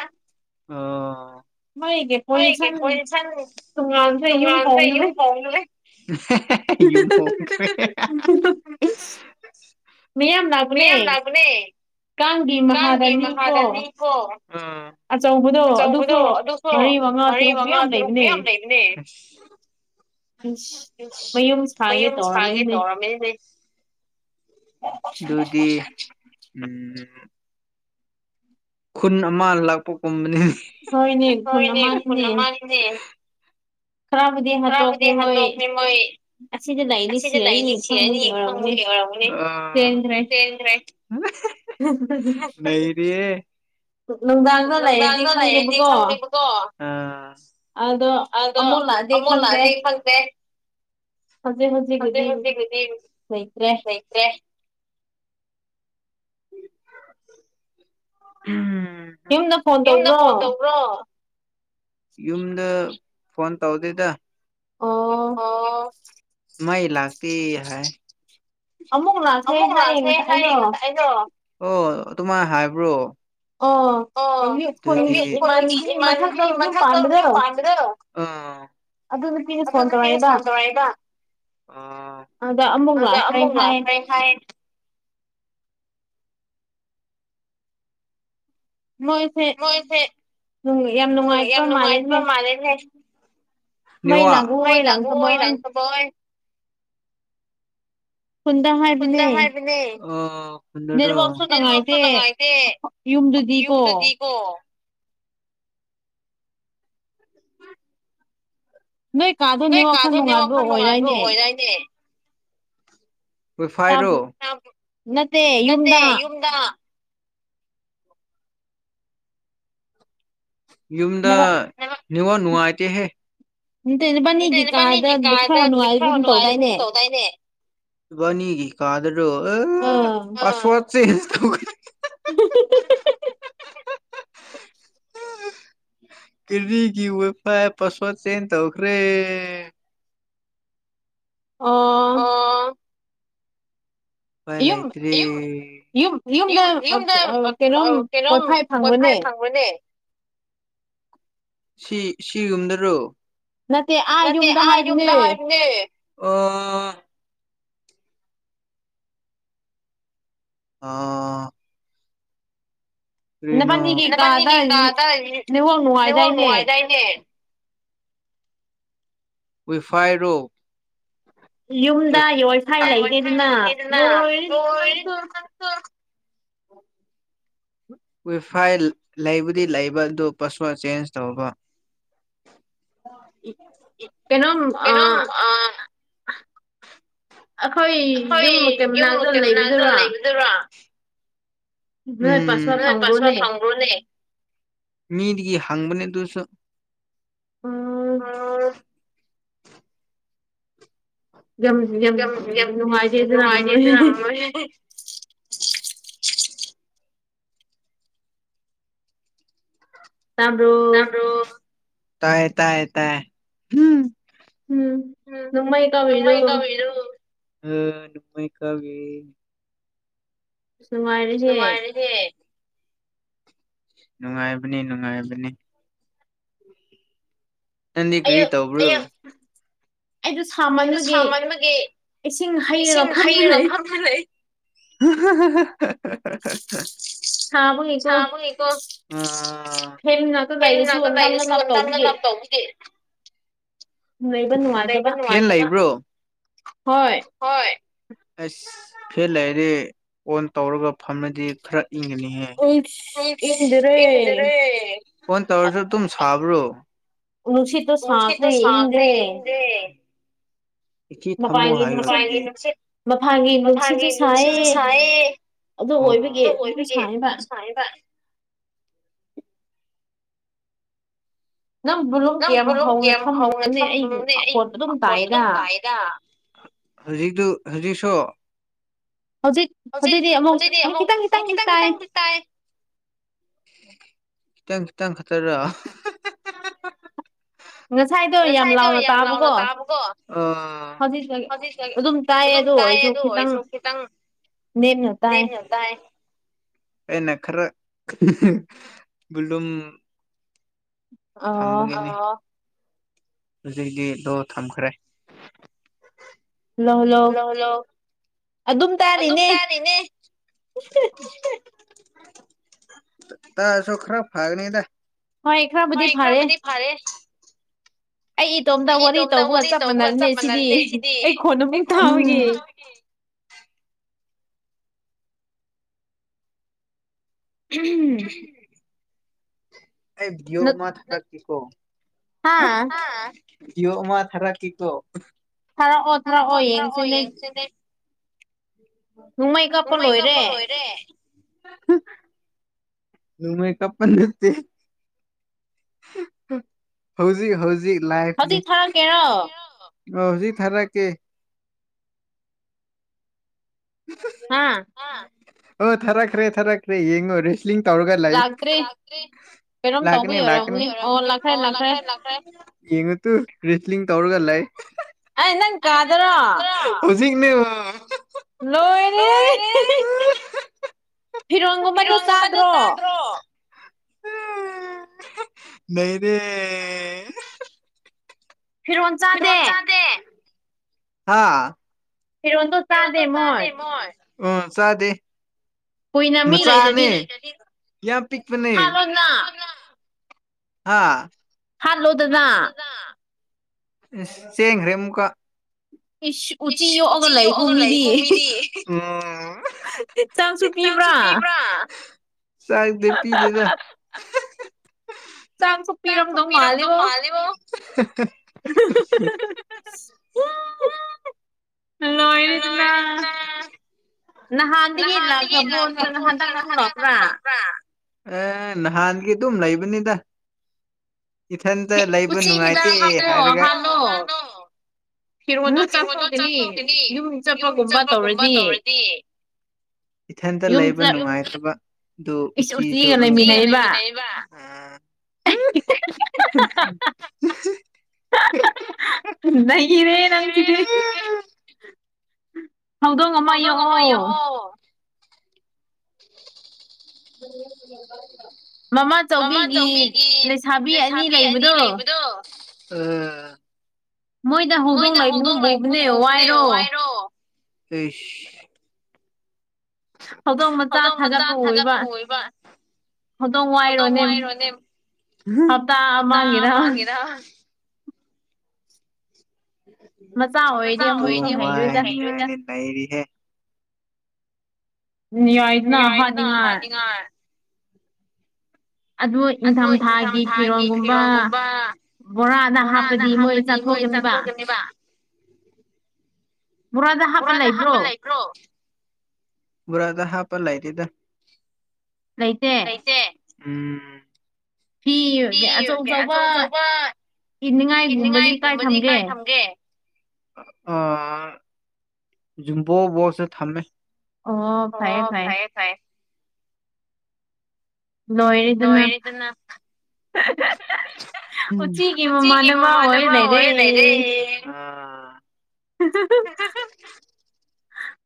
ꯍꯣꯏꯒꯤꯦ ꯑꯩꯣꯏ ꯏꯁꯟ ꯇꯣꯉꯥꯟꯈ꯭ꯔꯦ ꯌꯨꯝ ꯀꯧꯅ ꯂꯩ ꯌꯨꯝ ꯍ [unintelligible] [inaudible] ꯃꯤꯌꯥꯝ ꯌꯥꯝ ꯂꯒꯅꯦ ꯀꯥꯡꯒꯤ ꯃꯈꯥꯗ ꯅꯤꯐꯣ ꯑꯆꯧꯕꯗꯣ ꯑꯗꯨꯁꯨ ꯃꯔꯤ ꯃꯉꯥ ꯇꯔꯨꯛꯨ ꯌꯥꯝ ꯂꯩꯕꯅꯦ ꯄ ꯐꯒꯦ ꯇꯧꯔꯃꯤ ꯑꯗꯨꯗꯤ ꯎꯝ ꯈꯨꯟ ꯑꯃ ꯂꯥꯛꯄꯒꯨꯝꯕꯅꯤꯅꯦ ꯈꯨꯅꯦ ꯈꯔꯕꯨꯗꯤ ꯍꯥꯠꯇꯣꯛꯅꯤ ꯃꯣꯏ ꯑꯁꯤꯗ ꯂꯩꯅꯤ ꯁꯤꯔꯅꯤ ꯌꯦꯡ ꯈꯪ ꯑꯃꯨꯛ ꯌꯦ ꯑꯣꯏꯔꯕ ꯑ ꯅꯔꯤꯌꯦ ꯅꯪ ꯗꯥ ꯆꯂ ꯊꯪꯂꯕꯒꯣ ꯑꯗꯣ ꯑꯃꯃꯨꯂꯗꯦ ꯐꯪꯛꯇꯦ ꯍꯧꯖꯤꯛ ꯍꯧꯖꯤꯛꯀꯤꯗꯤ ꯂꯩꯇ꯭ꯔꯦ ꯏꯗ ꯐꯟ ꯇꯧꯕ꯭ꯔꯣ ꯐꯣꯟ ꯇꯧꯗꯗ ꯑꯣ [unintelligible] [inaudible] ꯃꯥꯏ ꯂꯥꯛꯇ ꯍꯥꯏ ꯑꯃꯨꯛ ꯍꯥꯏ ꯉꯁꯥꯏꯩꯅꯣ ꯑꯣ ꯑꯗꯨꯃꯥꯏꯅ ꯍꯥꯏꯕ꯭ꯔꯣ ꯑꯣ ꯄꯨ ꯏꯃꯥꯟꯒꯔꯤ ꯃꯊꯛ ꯀ ꯄꯥꯟꯗꯔ ꯑꯗꯨꯅ ꯀꯤꯤꯁ ꯐꯣꯟ ꯇꯧꯔꯦꯗ ꯑꯗ ꯑꯃꯨꯛ ꯂꯥꯛꯈꯦ ꯍꯥꯏ ꯃꯣꯏꯁꯦ ꯌꯥꯝ ꯅꯨꯡꯉꯥꯏꯇꯕ ꯃꯥꯜꯂꯦꯍꯦ ꯃ ꯂ ꯑꯣꯏ ꯏ ꯂꯪ ꯇꯄꯣꯏ ꯐꯨꯟꯗ ꯍꯥꯏꯕꯅꯦ ꯦꯁꯨ ꯇꯉꯥꯏꯁꯦ ꯌꯨꯝꯗꯨꯗꯤꯀꯣ ꯅꯣꯏ ꯀꯥꯗꯣꯏꯅꯦ ꯋꯥꯈꯜ ꯅꯨꯡꯉꯥꯏꯕ ꯑꯣꯏꯔꯅꯦ ꯍꯣꯏ ꯐꯥꯏꯔꯣ ꯅꯠꯇꯦ ꯌꯨꯝꯗ ꯌꯨꯝꯗ ꯅꯨꯋꯥ ꯅꯨꯡꯉ ꯑꯇ ꯍꯦ ꯑ ꯅꯨꯄꯥꯅꯤꯒꯤ ꯀꯥꯗ ꯑꯝ ꯈꯔ ꯅꯨꯡꯉꯥꯏꯒꯨꯝ ꯇꯧꯗꯥꯏꯅꯦꯅꯤ ꯀꯥꯗꯔꯣ ꯐꯁꯁꯦ [unintelligible] [inaudible] ꯀꯔꯤꯒꯤ ꯑꯣꯏ ꯐꯥꯏ ꯄꯁꯋꯥ ꯆꯅ ꯇ ꯑꯣꯈꯔꯦ ꯑ [unintelligible] [inaudible] ꯍꯣꯏ ꯂꯩ ꯏꯇꯦ ꯌꯨꯝ ꯌꯨꯝꯗ ꯀꯩꯅꯣꯝ ꯄꯣꯊꯥꯏ ꯐꯪꯕꯅꯦ ꯁꯤ ꯁꯤꯒꯨꯝꯗꯔꯣ ꯅꯠꯇꯦ ꯑ ꯌꯨꯝꯗ ꯍꯥꯏꯔꯅꯦ ꯑꯥ [inaudible] ꯐꯅꯤ ꯀꯩꯀꯥ ꯇꯥꯔꯅꯤ ꯅ ꯋꯥꯥꯛ ꯅꯨꯡꯉꯥꯏꯗꯥꯏꯅꯦ ꯋꯐꯥꯏꯔꯣ ꯗ [unintelligible] [inaudible] ꯋꯤꯐꯥꯏ ꯂꯩꯕꯨꯗꯤ ꯂꯩꯕ ꯑꯗꯨ ꯄꯥꯁꯋꯥꯔꯗ ꯆꯦꯟꯖ ꯇꯧꯕ ꯀꯩꯅꯣ ꯑ ꯑꯩꯈꯣꯏ ꯌꯨꯝꯃꯛꯇꯩ ꯃꯅꯥꯛꯇ ꯂꯩꯕꯗꯨꯔꯣ ꯅꯣꯏ ꯄꯁꯋꯥ ꯐꯪꯕ꯭ꯔꯣꯅꯦ ꯃꯤꯗꯒꯤ ꯍꯪꯕꯅꯦ ꯑꯗꯨꯁꯨ ꯑ [unintelligible] [inaudible] ꯌꯥꯝ ꯌꯥꯝ ꯅꯨꯡꯉꯥꯏꯖꯦ ꯑꯗꯨ ꯌꯥꯝ ꯇꯥꯝ꯭ꯔꯣ ꯥꯏ ꯇ ꯇꯝ ꯝꯀꯔ ꯇꯒꯤꯦ ꯁꯨꯃꯥꯏꯔꯒꯦ ꯅꯨꯡꯉꯥꯏꯕꯅꯤ ꯅꯨꯡꯉꯥꯏꯕꯅꯤ ꯅꯗꯤ ꯀ꯭ꯔꯤ ꯇꯕ꯭ꯔꯣ ꯑꯩꯗꯣ ꯁꯥꯃꯟꯕꯒꯤ ꯏꯁꯤꯡ ꯍꯩꯔꯒ ꯐꯕ ꯂꯩ [inaudible] ꯁꯥꯕ ꯍꯀꯣ ꯎ ꯍꯦ ꯉꯥꯛꯇ ꯂꯩꯔꯤꯁꯨꯨ ꯑꯇꯅ ꯂꯥꯛ ꯇꯧꯈꯤꯒꯦ ꯅ ꯂꯩꯕ꯭ꯔꯣ ꯍꯣꯏ ꯑꯁ ꯐꯦꯠ ꯂꯩꯔꯦ ꯑꯣꯟ ꯇꯧꯔꯒ ꯐꯝꯃꯗꯤ ꯈꯔ ꯎ ꯏꯗ꯭ꯔꯦ ꯐꯣꯟ ꯇꯧꯔꯁꯨ ꯑꯗꯨꯝ ꯁꯥꯕ꯭ꯔꯣ ꯎꯅꯨꯡꯁꯤ ꯇ ꯁꯥꯈ꯭ꯔꯦ ꯏꯔꯦ ꯏꯆ ꯊꯝꯃꯣ ꯍꯥꯏ ꯃꯒꯤꯠ ꯃꯊꯥꯡꯒꯤ ꯅꯨꯡꯁꯤꯠꯁꯨ ꯁꯥꯏꯌꯦ ꯣ ꯑꯣꯏꯣꯏꯕꯒꯦ ꯁꯅꯦꯕ ꯅꯪ ꯨꯝ ꯀꯌꯥꯝ ꯍꯧꯅ ꯊꯝꯕ꯭ꯔꯣꯅꯦ ꯑꯩ ꯐꯣꯟꯠꯇꯣ ꯑꯗꯨꯝ ꯇꯥꯏꯗ ꯍꯧꯖꯤꯛꯗꯨ ꯍꯧꯖꯤꯛꯁꯨꯣ ꯍꯧꯖꯤꯛ ꯍꯧꯖꯤꯛꯇꯤ ꯑꯃꯨꯛ ꯑꯃꯨꯛ ꯈꯤꯇꯪ ꯈꯤꯇꯪꯗꯤ ꯇꯥꯏ ꯈꯤꯇꯪ ꯈꯤꯇꯪ ꯈꯠꯇꯔꯔꯥ ꯉꯁꯥꯏꯗꯧ ꯌꯥꯝ ꯂꯥꯎꯅ ꯇꯥꯕꯀꯣ ꯍꯧꯖꯤ ꯑꯗꯨꯝ ꯇ ꯑꯗꯨ ꯑꯣꯏꯣꯏꯁꯨ ꯈꯤꯇꯪ ꯅꯦꯃꯤꯇꯥ ꯑꯩꯅ ꯈꯔ ꯨꯝ ꯊꯝꯕꯒꯤꯅꯤ ꯍꯧꯖꯤꯛꯤ ꯂꯣ ꯊꯝꯈ꯭ꯔꯦ ꯂꯣ ꯂꯣ ꯑꯗꯨꯝ ꯇꯥꯔꯤꯅꯦ ꯇꯁꯨꯣ ꯈꯔ ꯐꯥꯒꯅꯤꯗ ꯍꯣꯏ ꯑꯦꯈꯂ ꯤ ꯐꯥꯔꯦ ꯑꯩ ꯏꯇꯣꯝꯇ ꯋꯥꯔꯤ ꯇꯧꯕꯒ ꯆꯞ ꯃꯥꯟꯅꯔꯅꯦ ꯁꯤꯗꯤ [inaudible] ꯎꯝ ꯑꯦ ꯕꯤꯌꯑꯣ ꯃ ꯊꯀꯤꯀꯣ ꯑꯣ ꯃꯥ ꯊꯥꯔꯛꯀꯤꯀꯣ ꯊꯔꯛꯑꯣ ꯊꯔꯛꯑꯣ ꯌꯦ ꯅꯣꯡꯃꯩ ꯀꯥꯞꯄ ꯂꯣꯏꯔꯦ ꯃ ꯀꯞꯄꯟ ꯅꯇ ꯍꯧꯖꯤ ꯍꯧꯖꯤ ꯍꯧꯖꯤꯛ ꯊꯥ ꯀꯦꯔꯣ ꯑꯣ ꯍꯧꯖꯤꯛ ꯊꯥꯔꯛꯀꯦ ꯍꯥꯥ ꯑꯣ ꯊꯥꯔꯛꯈ꯭ꯔꯦ ꯊꯥꯔꯛꯈ꯭ꯔꯦ ꯌꯦꯡꯉꯣ ꯔꯦꯁꯂꯤꯡ ꯇꯧꯔꯒ ꯂꯥꯛ ꯂꯀꯅꯤ ꯂꯅꯤ ꯌꯦꯉ ꯔꯦꯁꯂꯤꯡ ꯇꯧꯔꯒ ꯂꯩ ꯑ ꯏꯟꯅ ꯀꯥꯗꯔ ꯁꯤꯅꯦꯕ ꯂꯣꯏꯔꯦ ꯐꯤꯔꯣꯟꯒꯨꯝꯕꯗ ꯆꯥꯗ꯭ꯔꯣ ꯅꯅꯦꯦ ꯐꯤꯔꯣꯣꯟ ꯆꯥꯗꯦ ꯍꯥꯥ [unintelligible] ꯃꯆꯥꯅꯦ ꯌꯥ ꯄꯤꯛꯄꯅꯦ ꯍꯥꯥ ꯍꯜꯂꯣ ꯗꯗꯥ ꯆꯦꯡꯈ꯭ꯔꯦ ꯑꯃꯨꯀ ꯀꯨꯆꯤ ꯌꯣꯛꯑꯒ ꯂꯩꯒꯨꯝꯃꯤꯗꯤ ꯕ꯭ꯔꯥ ꯆꯥꯏꯗꯦ ꯄꯤꯔꯦꯅ ꯆꯥꯡꯁꯨ ꯄꯤꯔꯝꯗꯧ ꯃꯥꯜꯂꯤꯕꯣ ꯑ ꯍꯜꯂꯣ ꯏꯗꯨ ꯇ ꯅꯍꯥꯟꯗꯒ ꯏꯂꯄ ꯍ꯭ꯔꯄ꯭ꯔ ꯑꯦ ꯅꯍꯥꯟꯒꯤ ꯑꯗꯨꯝ ꯂꯩꯕꯅꯤꯗ ꯏꯊꯟꯇ ꯂꯩꯕ ꯅꯨꯡꯉꯥꯏꯇꯦ ꯍꯥꯏꯔꯒ ꯍꯤꯡꯉꯣꯟꯗꯣ ꯆꯥꯊꯣꯛꯒꯅꯤ ꯌꯨꯝ ꯆꯠꯄꯒꯨꯝꯕ ꯇꯧꯔꯗꯤ ꯏꯊꯟꯇ ꯂꯩꯕ ꯅꯨꯡꯉꯥꯏꯇꯕ ꯑꯗꯨ ꯎꯆꯤꯁꯨ ꯑ ꯎꯝ ꯅꯪꯒꯤꯅꯦ ꯅꯪ ꯁꯤꯗꯤ ꯍꯧꯗꯣꯡ ꯑꯃ ꯌꯣꯛꯑꯣ ꯎꯝ ꯃꯃꯥ ꯇꯧꯕꯤꯒꯤ ꯂꯩꯁꯥꯕꯤ ꯑꯅꯤ ꯂꯩꯕꯗꯣ ꯎ ꯃꯣꯏꯗ ꯍꯧꯗꯣꯡꯂꯈꯣꯕꯅꯦ ꯋꯥꯏꯔꯣ ꯑꯦꯁ ꯍꯧꯗꯧ ꯃꯆꯥ ꯊꯥꯒꯠꯄ ꯑꯣꯏꯕ ꯍꯧꯇꯣꯣꯡ ꯋꯥꯏꯔꯣꯅꯦ ꯍꯞꯇꯥ ꯑꯃꯥꯡꯉꯦꯔ ꯋꯥ ꯂꯩꯔꯤ ꯅꯅꯤꯌꯥꯏꯗꯅꯥ ꯍꯥꯏꯥꯟꯅꯤꯉ ꯑꯗꯨ ꯏꯪꯊꯝꯊꯥꯒꯤ ꯐꯤꯔꯣꯜꯒꯨꯝꯕ ꯕꯣꯔꯥꯅ ꯍꯥꯞꯄꯗꯤ ꯃꯣꯏ ꯆꯥꯊꯣꯛꯒꯅꯦꯕ ꯕꯣꯔꯥꯗ ꯍꯥꯞꯄ ꯂꯩꯈ꯭ꯔꯣ ꯕꯣꯔꯥꯗ ꯍꯥꯞꯄ ꯂꯩꯇꯦꯗ ꯂꯩꯇꯦ ꯎꯝ ꯀ ꯀ ꯆꯧꯖꯧꯕ ꯏꯤꯅꯤꯡꯉꯥꯏꯒꯨꯝꯕꯗꯤ ꯀꯥꯏ ꯊꯝꯒꯦ ꯑ ꯖꯨꯝꯕꯣꯕꯣꯁꯦ ꯊꯝꯃꯦ ꯍ ꯐꯥꯏꯌꯦ ꯐꯥꯏ ꯂꯣꯏꯌꯦꯗꯅ ꯎꯝ ꯎꯆꯤꯒꯤ ꯃꯃꯥꯟꯅꯕ ꯑꯣꯏꯔ ꯂꯩꯔꯦ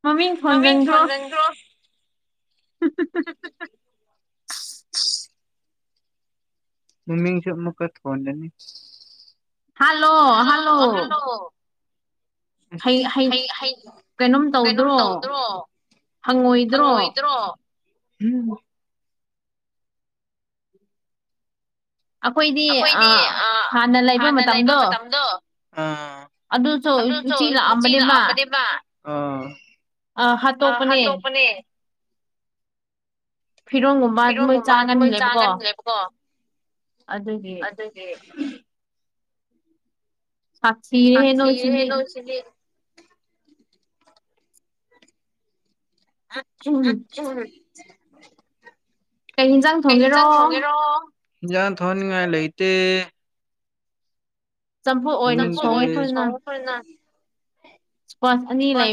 ꯃꯃꯤꯡ ꯊꯣꯟꯖꯟꯗ꯭ꯔꯣ ꯁꯠꯇꯠ ꯃꯃꯤꯁꯨ ꯃꯨꯀꯠ ꯐꯣꯟꯣꯟꯗꯅꯤ ꯍꯜꯂꯣ ꯍꯜꯂꯣ ꯀꯩꯅꯣꯝ ꯇꯧꯗ꯭ꯔꯣ ꯍꯪꯉꯣꯏꯗ꯭ꯔꯣ ꯑꯩꯈꯣꯏꯗꯤ ꯍꯥꯟꯅ ꯂꯩꯕ ꯃꯇꯝꯗꯣ ꯑꯗꯨꯁꯨꯁꯤ ꯂꯥꯛꯑꯝꯕꯅꯦ ꯃꯥ ꯑ ꯍꯥ ꯇꯣꯄꯅꯦ ꯐꯤꯔꯣꯟꯒꯨꯝꯕ ꯑꯗꯨ ꯃꯣꯏ ꯆꯥꯒꯟꯂꯦꯕꯀꯣ ꯑꯗꯨꯗꯒꯤ ꯁꯥꯁꯤ ꯍꯦ ꯅꯧꯁꯤꯅꯤ [unintelligible] ꯌꯥ ꯊꯅꯤꯡꯉꯥꯏ ꯂꯩꯇ ꯆꯝꯐꯨ ꯑꯣꯏꯅ ꯁꯣꯡꯉꯨꯈꯅ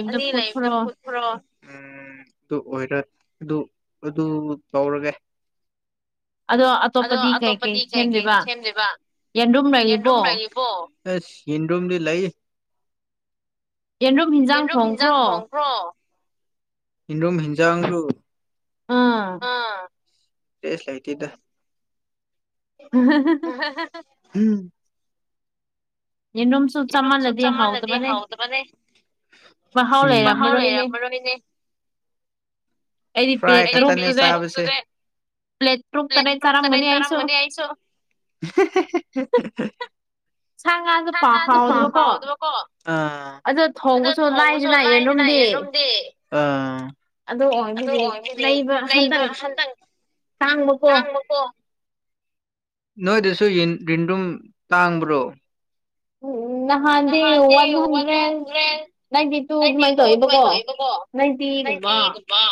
ꯑꯅꯤ ꯂꯩꯕꯇ ꯐꯈ꯭ꯔꯣ ꯑꯣꯏꯔ ꯑꯗꯨ ꯑꯗꯨ ꯇꯧꯔꯒꯦ ꯑꯗꯣ ꯑꯇꯣꯞꯄꯗꯤ ꯀꯩ ꯀꯩ ꯁꯦꯝꯗꯦꯕ ꯌꯦꯟꯗꯨꯝ ꯂꯩꯕꯣ ꯑ ꯁꯤꯗꯣꯝꯗꯤ ꯂꯩ ꯌꯦꯟꯔꯨꯝ ꯍꯤꯟꯖꯥꯡ ꯊꯣꯡꯈ꯭ꯔꯣ ꯏꯗꯣꯝ ꯍꯤꯖꯥ ꯋꯥꯡꯁꯨ ꯔꯦꯁ ꯂꯩꯇ ꯏꯗ ꯍ ꯎꯝ ꯏꯅꯝꯁꯨ ꯆꯃꯥꯟꯅꯗꯤ ꯍꯥꯎꯗ ꯃꯅꯦ ꯃꯍ ꯍꯥꯎ ꯂꯩ ꯃꯔꯅꯦ ꯐ꯭ꯔꯥꯏ ꯈꯥꯇꯅꯤ ꯆꯥꯕꯤꯁ ꯄꯦ꯭ꯔꯣ ꯇꯔ ꯇꯔꯥ ꯃꯅꯤ ꯍꯥꯏꯁꯣ ꯁꯥ ꯉꯥꯁꯨ ꯐꯥꯎꯗꯕꯀꯣ ꯑꯗ ꯊꯧꯕꯁꯨ ꯂꯥꯏꯗꯤ ꯂꯥꯛꯏꯑ ꯑ ꯑꯗꯣ ꯑꯗꯨꯗꯤ ꯂꯩꯕ ꯍꯟꯗꯪ ꯇꯥꯡꯕꯀꯣ ꯅꯣꯏꯗꯁꯨ ꯔꯤꯟꯗꯨꯝ ꯇꯥꯡꯕ꯭ꯔꯣ ꯎꯝ ꯗꯦ ꯋꯥꯟꯗ꯭ꯔꯦ ꯏꯟꯇꯤ ꯇꯨ ꯑꯗꯨꯃꯥꯏ ꯇꯧꯏꯕꯕꯣ ꯅꯏꯟꯇꯤꯒꯕ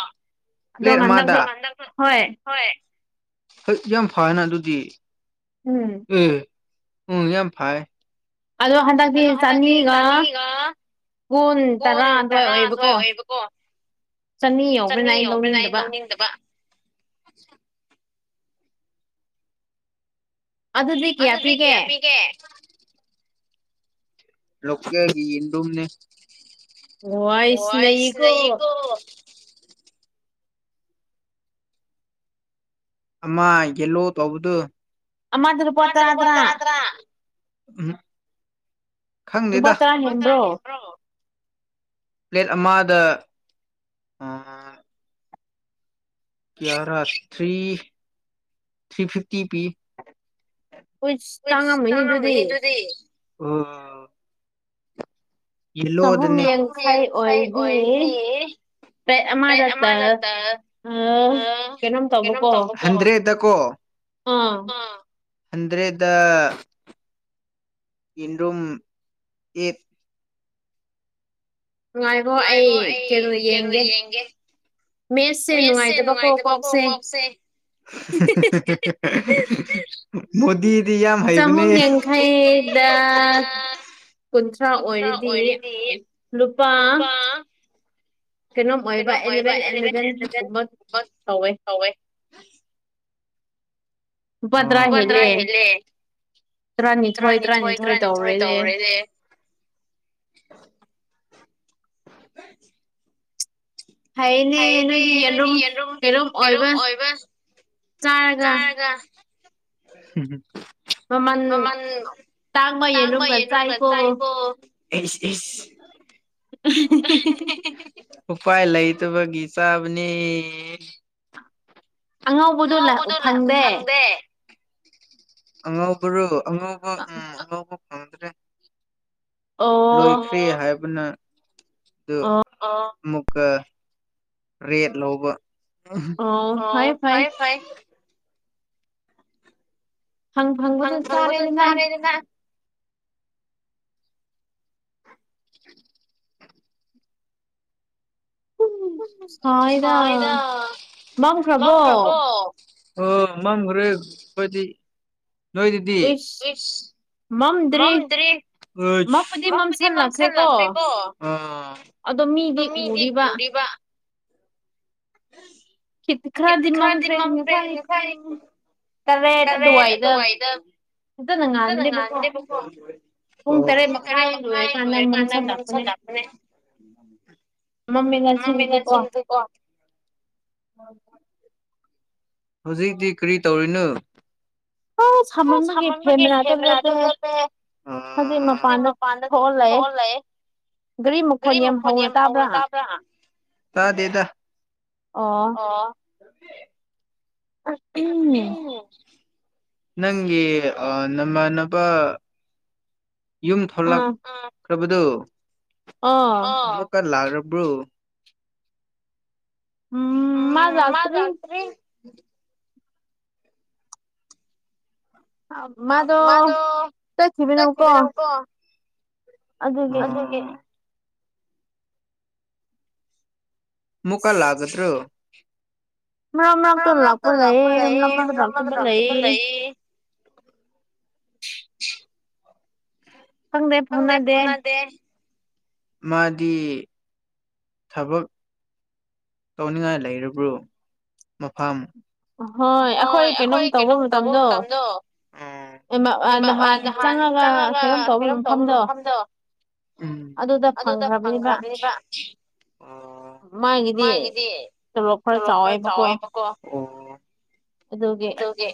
ꯄ꯭ꯂꯦꯔ ꯑꯃꯗ ꯍꯣꯏ ꯌꯥꯝ ꯐꯅ ꯑꯗꯨꯗꯤ ꯎꯝ ꯎꯝ ꯌꯥꯝ ꯐꯥꯏ ꯑꯗꯣ ꯍꯟꯗꯛꯇꯤ ꯆꯅꯤꯒ ꯀꯨꯟ ꯇꯔꯥ ꯑꯗꯨꯋꯥꯏ ꯑꯣꯏꯕꯀꯣ ꯆꯅꯤ ꯌꯥꯎꯕ꯭ꯔꯅ ꯑ ꯂꯧꯅꯤꯡꯗꯕ ꯑꯗꯨꯗ ꯂꯤꯒꯌꯥ ꯄꯤꯒꯦ ꯂꯀꯦ ꯏꯟꯅꯦ ꯋꯥꯁ ꯀꯣ ꯑꯃ ꯌꯦꯜꯂꯣ ꯇꯧꯕꯗꯨꯥ ꯎꯝ ꯈꯪꯗꯦꯗ ꯄ꯭ꯂꯦꯠ ꯑꯃꯗ ꯑ ꯀꯔꯥ ꯊ꯭ꯔꯤ ꯊ꯭ꯔꯤ ꯐꯤꯐꯇꯤ ꯄꯤ ꯣꯏ ꯀꯥꯅꯤ ꯑꯗꯨꯗꯤ ꯌꯦꯂꯣ ꯑꯗꯨꯅꯦ ꯌꯥꯡꯈꯥꯏ ꯑꯣꯏꯕꯤ ꯃꯥꯗꯠꯇꯅ ꯇ ꯑꯥ ꯍꯟꯗ꯭ꯔꯦꯗ ꯌꯦꯟꯔꯨꯝ ꯑꯦꯠ ꯅꯨꯡꯉꯥꯏꯔꯤꯕꯣ ꯑꯩ ꯀꯩꯅꯣ ꯌꯦꯡꯒꯦ ꯃꯦꯁꯁꯦ ꯅꯨꯡꯉꯥꯏꯇꯕꯀꯣ ꯀꯣꯛꯁꯦ ꯃꯣꯗꯤꯗꯤ ꯏ ꯌꯥꯝ ꯌꯥꯝ ꯍꯥꯏꯕꯅꯦ ꯗ ꯀꯨꯟꯊ꯭ꯔꯥ ꯑꯣꯏꯔꯗꯤ ꯂꯨꯄꯥ ꯀꯩꯅꯣꯝ ꯑꯣꯏꯕ ꯑꯦꯂꯚꯦꯟ ꯑꯦꯂꯚꯦꯟꯒꯨꯝꯕ ꯇꯧꯋꯦ ꯄꯗ꯭ꯔ ꯍꯂ ꯇꯔꯥꯅꯤꯊꯣꯏ ꯇꯔꯥꯅꯤꯊꯣꯏ ꯇꯧꯔꯦꯗꯤ ꯐꯩꯅꯦ ꯅꯣꯏꯗꯤ ꯌꯦꯟꯔꯨꯝ ꯀꯩꯅꯨꯝ ꯑꯣꯏꯕ ꯆꯥꯔꯒ ꯍꯝ ꯃꯃꯜ ꯇꯥꯡꯥꯡꯃ ꯍꯔꯒ ꯆꯥꯏꯀꯣ ꯑꯦꯁ [inaudible] ꯎꯄꯥꯏ ꯂꯩꯇꯕꯒꯤ ꯆꯥꯕꯅꯦ ꯑꯉꯧꯕꯗꯨꯣ ꯐꯪꯗꯦ ꯑꯉꯧꯕꯔꯣ ꯑꯉꯧꯕ ꯎꯝ ꯑꯉꯧꯕ ꯐꯪꯗ꯭ꯔꯦ ꯂꯣꯏꯈ꯭ꯔꯦ ꯍꯥꯏꯕꯅ ꯑꯗꯨ ꯃꯨꯛ ꯔꯦꯠ ꯂꯧꯕ ꯑꯣ ꯐꯥꯏ ꯐꯥꯏ ꯍꯪ ꯐꯪꯕꯗꯨ ꯆꯥꯔꯦꯗꯅ [inaudible] ꯍ ꯏꯗ ꯃꯥꯃꯈ꯭ꯔꯕꯣ ꯑꯣ ꯃꯝꯈ꯭ꯔꯦꯣꯏꯗꯤ ꯅꯣꯏꯗꯨꯗꯤ ꯃꯝꯗ꯭ꯔꯤ ꯃꯝꯄꯗꯤ ꯃꯝꯁꯜꯂ꯭ꯔꯦꯀꯣ ꯃꯤꯒꯤ ꯄꯨꯕꯥ ꯈꯔꯗꯤꯃꯃ ꯇ꯭ꯔ ꯐꯔ ꯇꯔꯦꯠ ꯑꯗꯨꯋꯥꯏꯗ ꯀꯅ ꯉꯥꯡꯒꯅꯦꯕꯀꯣ ꯈꯔꯦ ꯄꯅ ꯀꯥꯟꯅ ꯃ ꯆ ꯂꯅꯦ ꯃꯥꯃꯤ ꯉꯆꯀꯣ ꯍꯧꯖꯤꯛꯇꯤ ꯀꯔꯤ ꯇꯧꯔꯤꯅꯣ ꯑꯃꯝꯃꯒꯦ ꯐꯦꯃꯦꯅꯥ ꯃꯄꯥꯟꯗ ꯂꯩ ꯒꯥꯔꯤ ꯃꯈꯣꯟ ꯌꯥꯝ ꯍꯧꯅ ꯇꯥꯕ꯭ꯔꯥ ꯇꯥꯗ ꯑꯣ ꯅꯪꯒꯤ ꯑ ꯅꯃꯅꯄꯥ ꯌꯨꯝ ꯊꯣꯛꯂꯛꯈ꯭ꯔꯕꯗꯨ ꯀꯂꯔꯣꯕ꯭ꯔꯣ ꯎꯝ ꯃꯥ ꯌꯥꯇ꯭ꯔꯤ ꯎꯝ ꯃꯥꯗꯣ ꯆꯠꯈꯤꯕꯅꯨꯀꯣ ꯑꯒꯦ ꯃꯨꯀ ꯂꯥꯖꯇ꯭ꯔꯣ ꯃ ꯑꯃꯔꯛꯇ ꯂꯥꯛꯄꯨ ꯂꯩꯌꯦꯅ ꯑꯃ ꯔꯛꯇꯄ ꯂꯩ [inaudible] ꯐꯪꯗꯦ ꯐꯣꯅꯗꯦ ꯃꯥꯗꯤ ꯊꯕꯛ ꯇꯧꯅꯤꯡꯉꯥꯏ ꯂꯩꯔꯕ꯭ꯔꯣ ꯃꯐꯝ ꯍꯣꯏ ꯑꯩꯈꯣꯏ ꯀꯩꯅꯣꯝ ꯇꯧꯕ ꯃꯇꯝꯗꯣ ꯅꯍꯥꯟ ꯆꯪꯉꯒ ꯀꯩꯅꯣꯝ ꯇꯧꯕ ꯃꯐꯝꯗꯣ ꯑꯗꯨꯗ ꯐꯪꯈ꯭ꯔꯕꯅꯦꯕ ꯑꯣ ꯃꯥꯒꯤꯗꯤ ꯊꯂꯣꯄ ꯆꯥꯎꯦꯕꯀꯣ ꯑꯗꯨꯒꯦ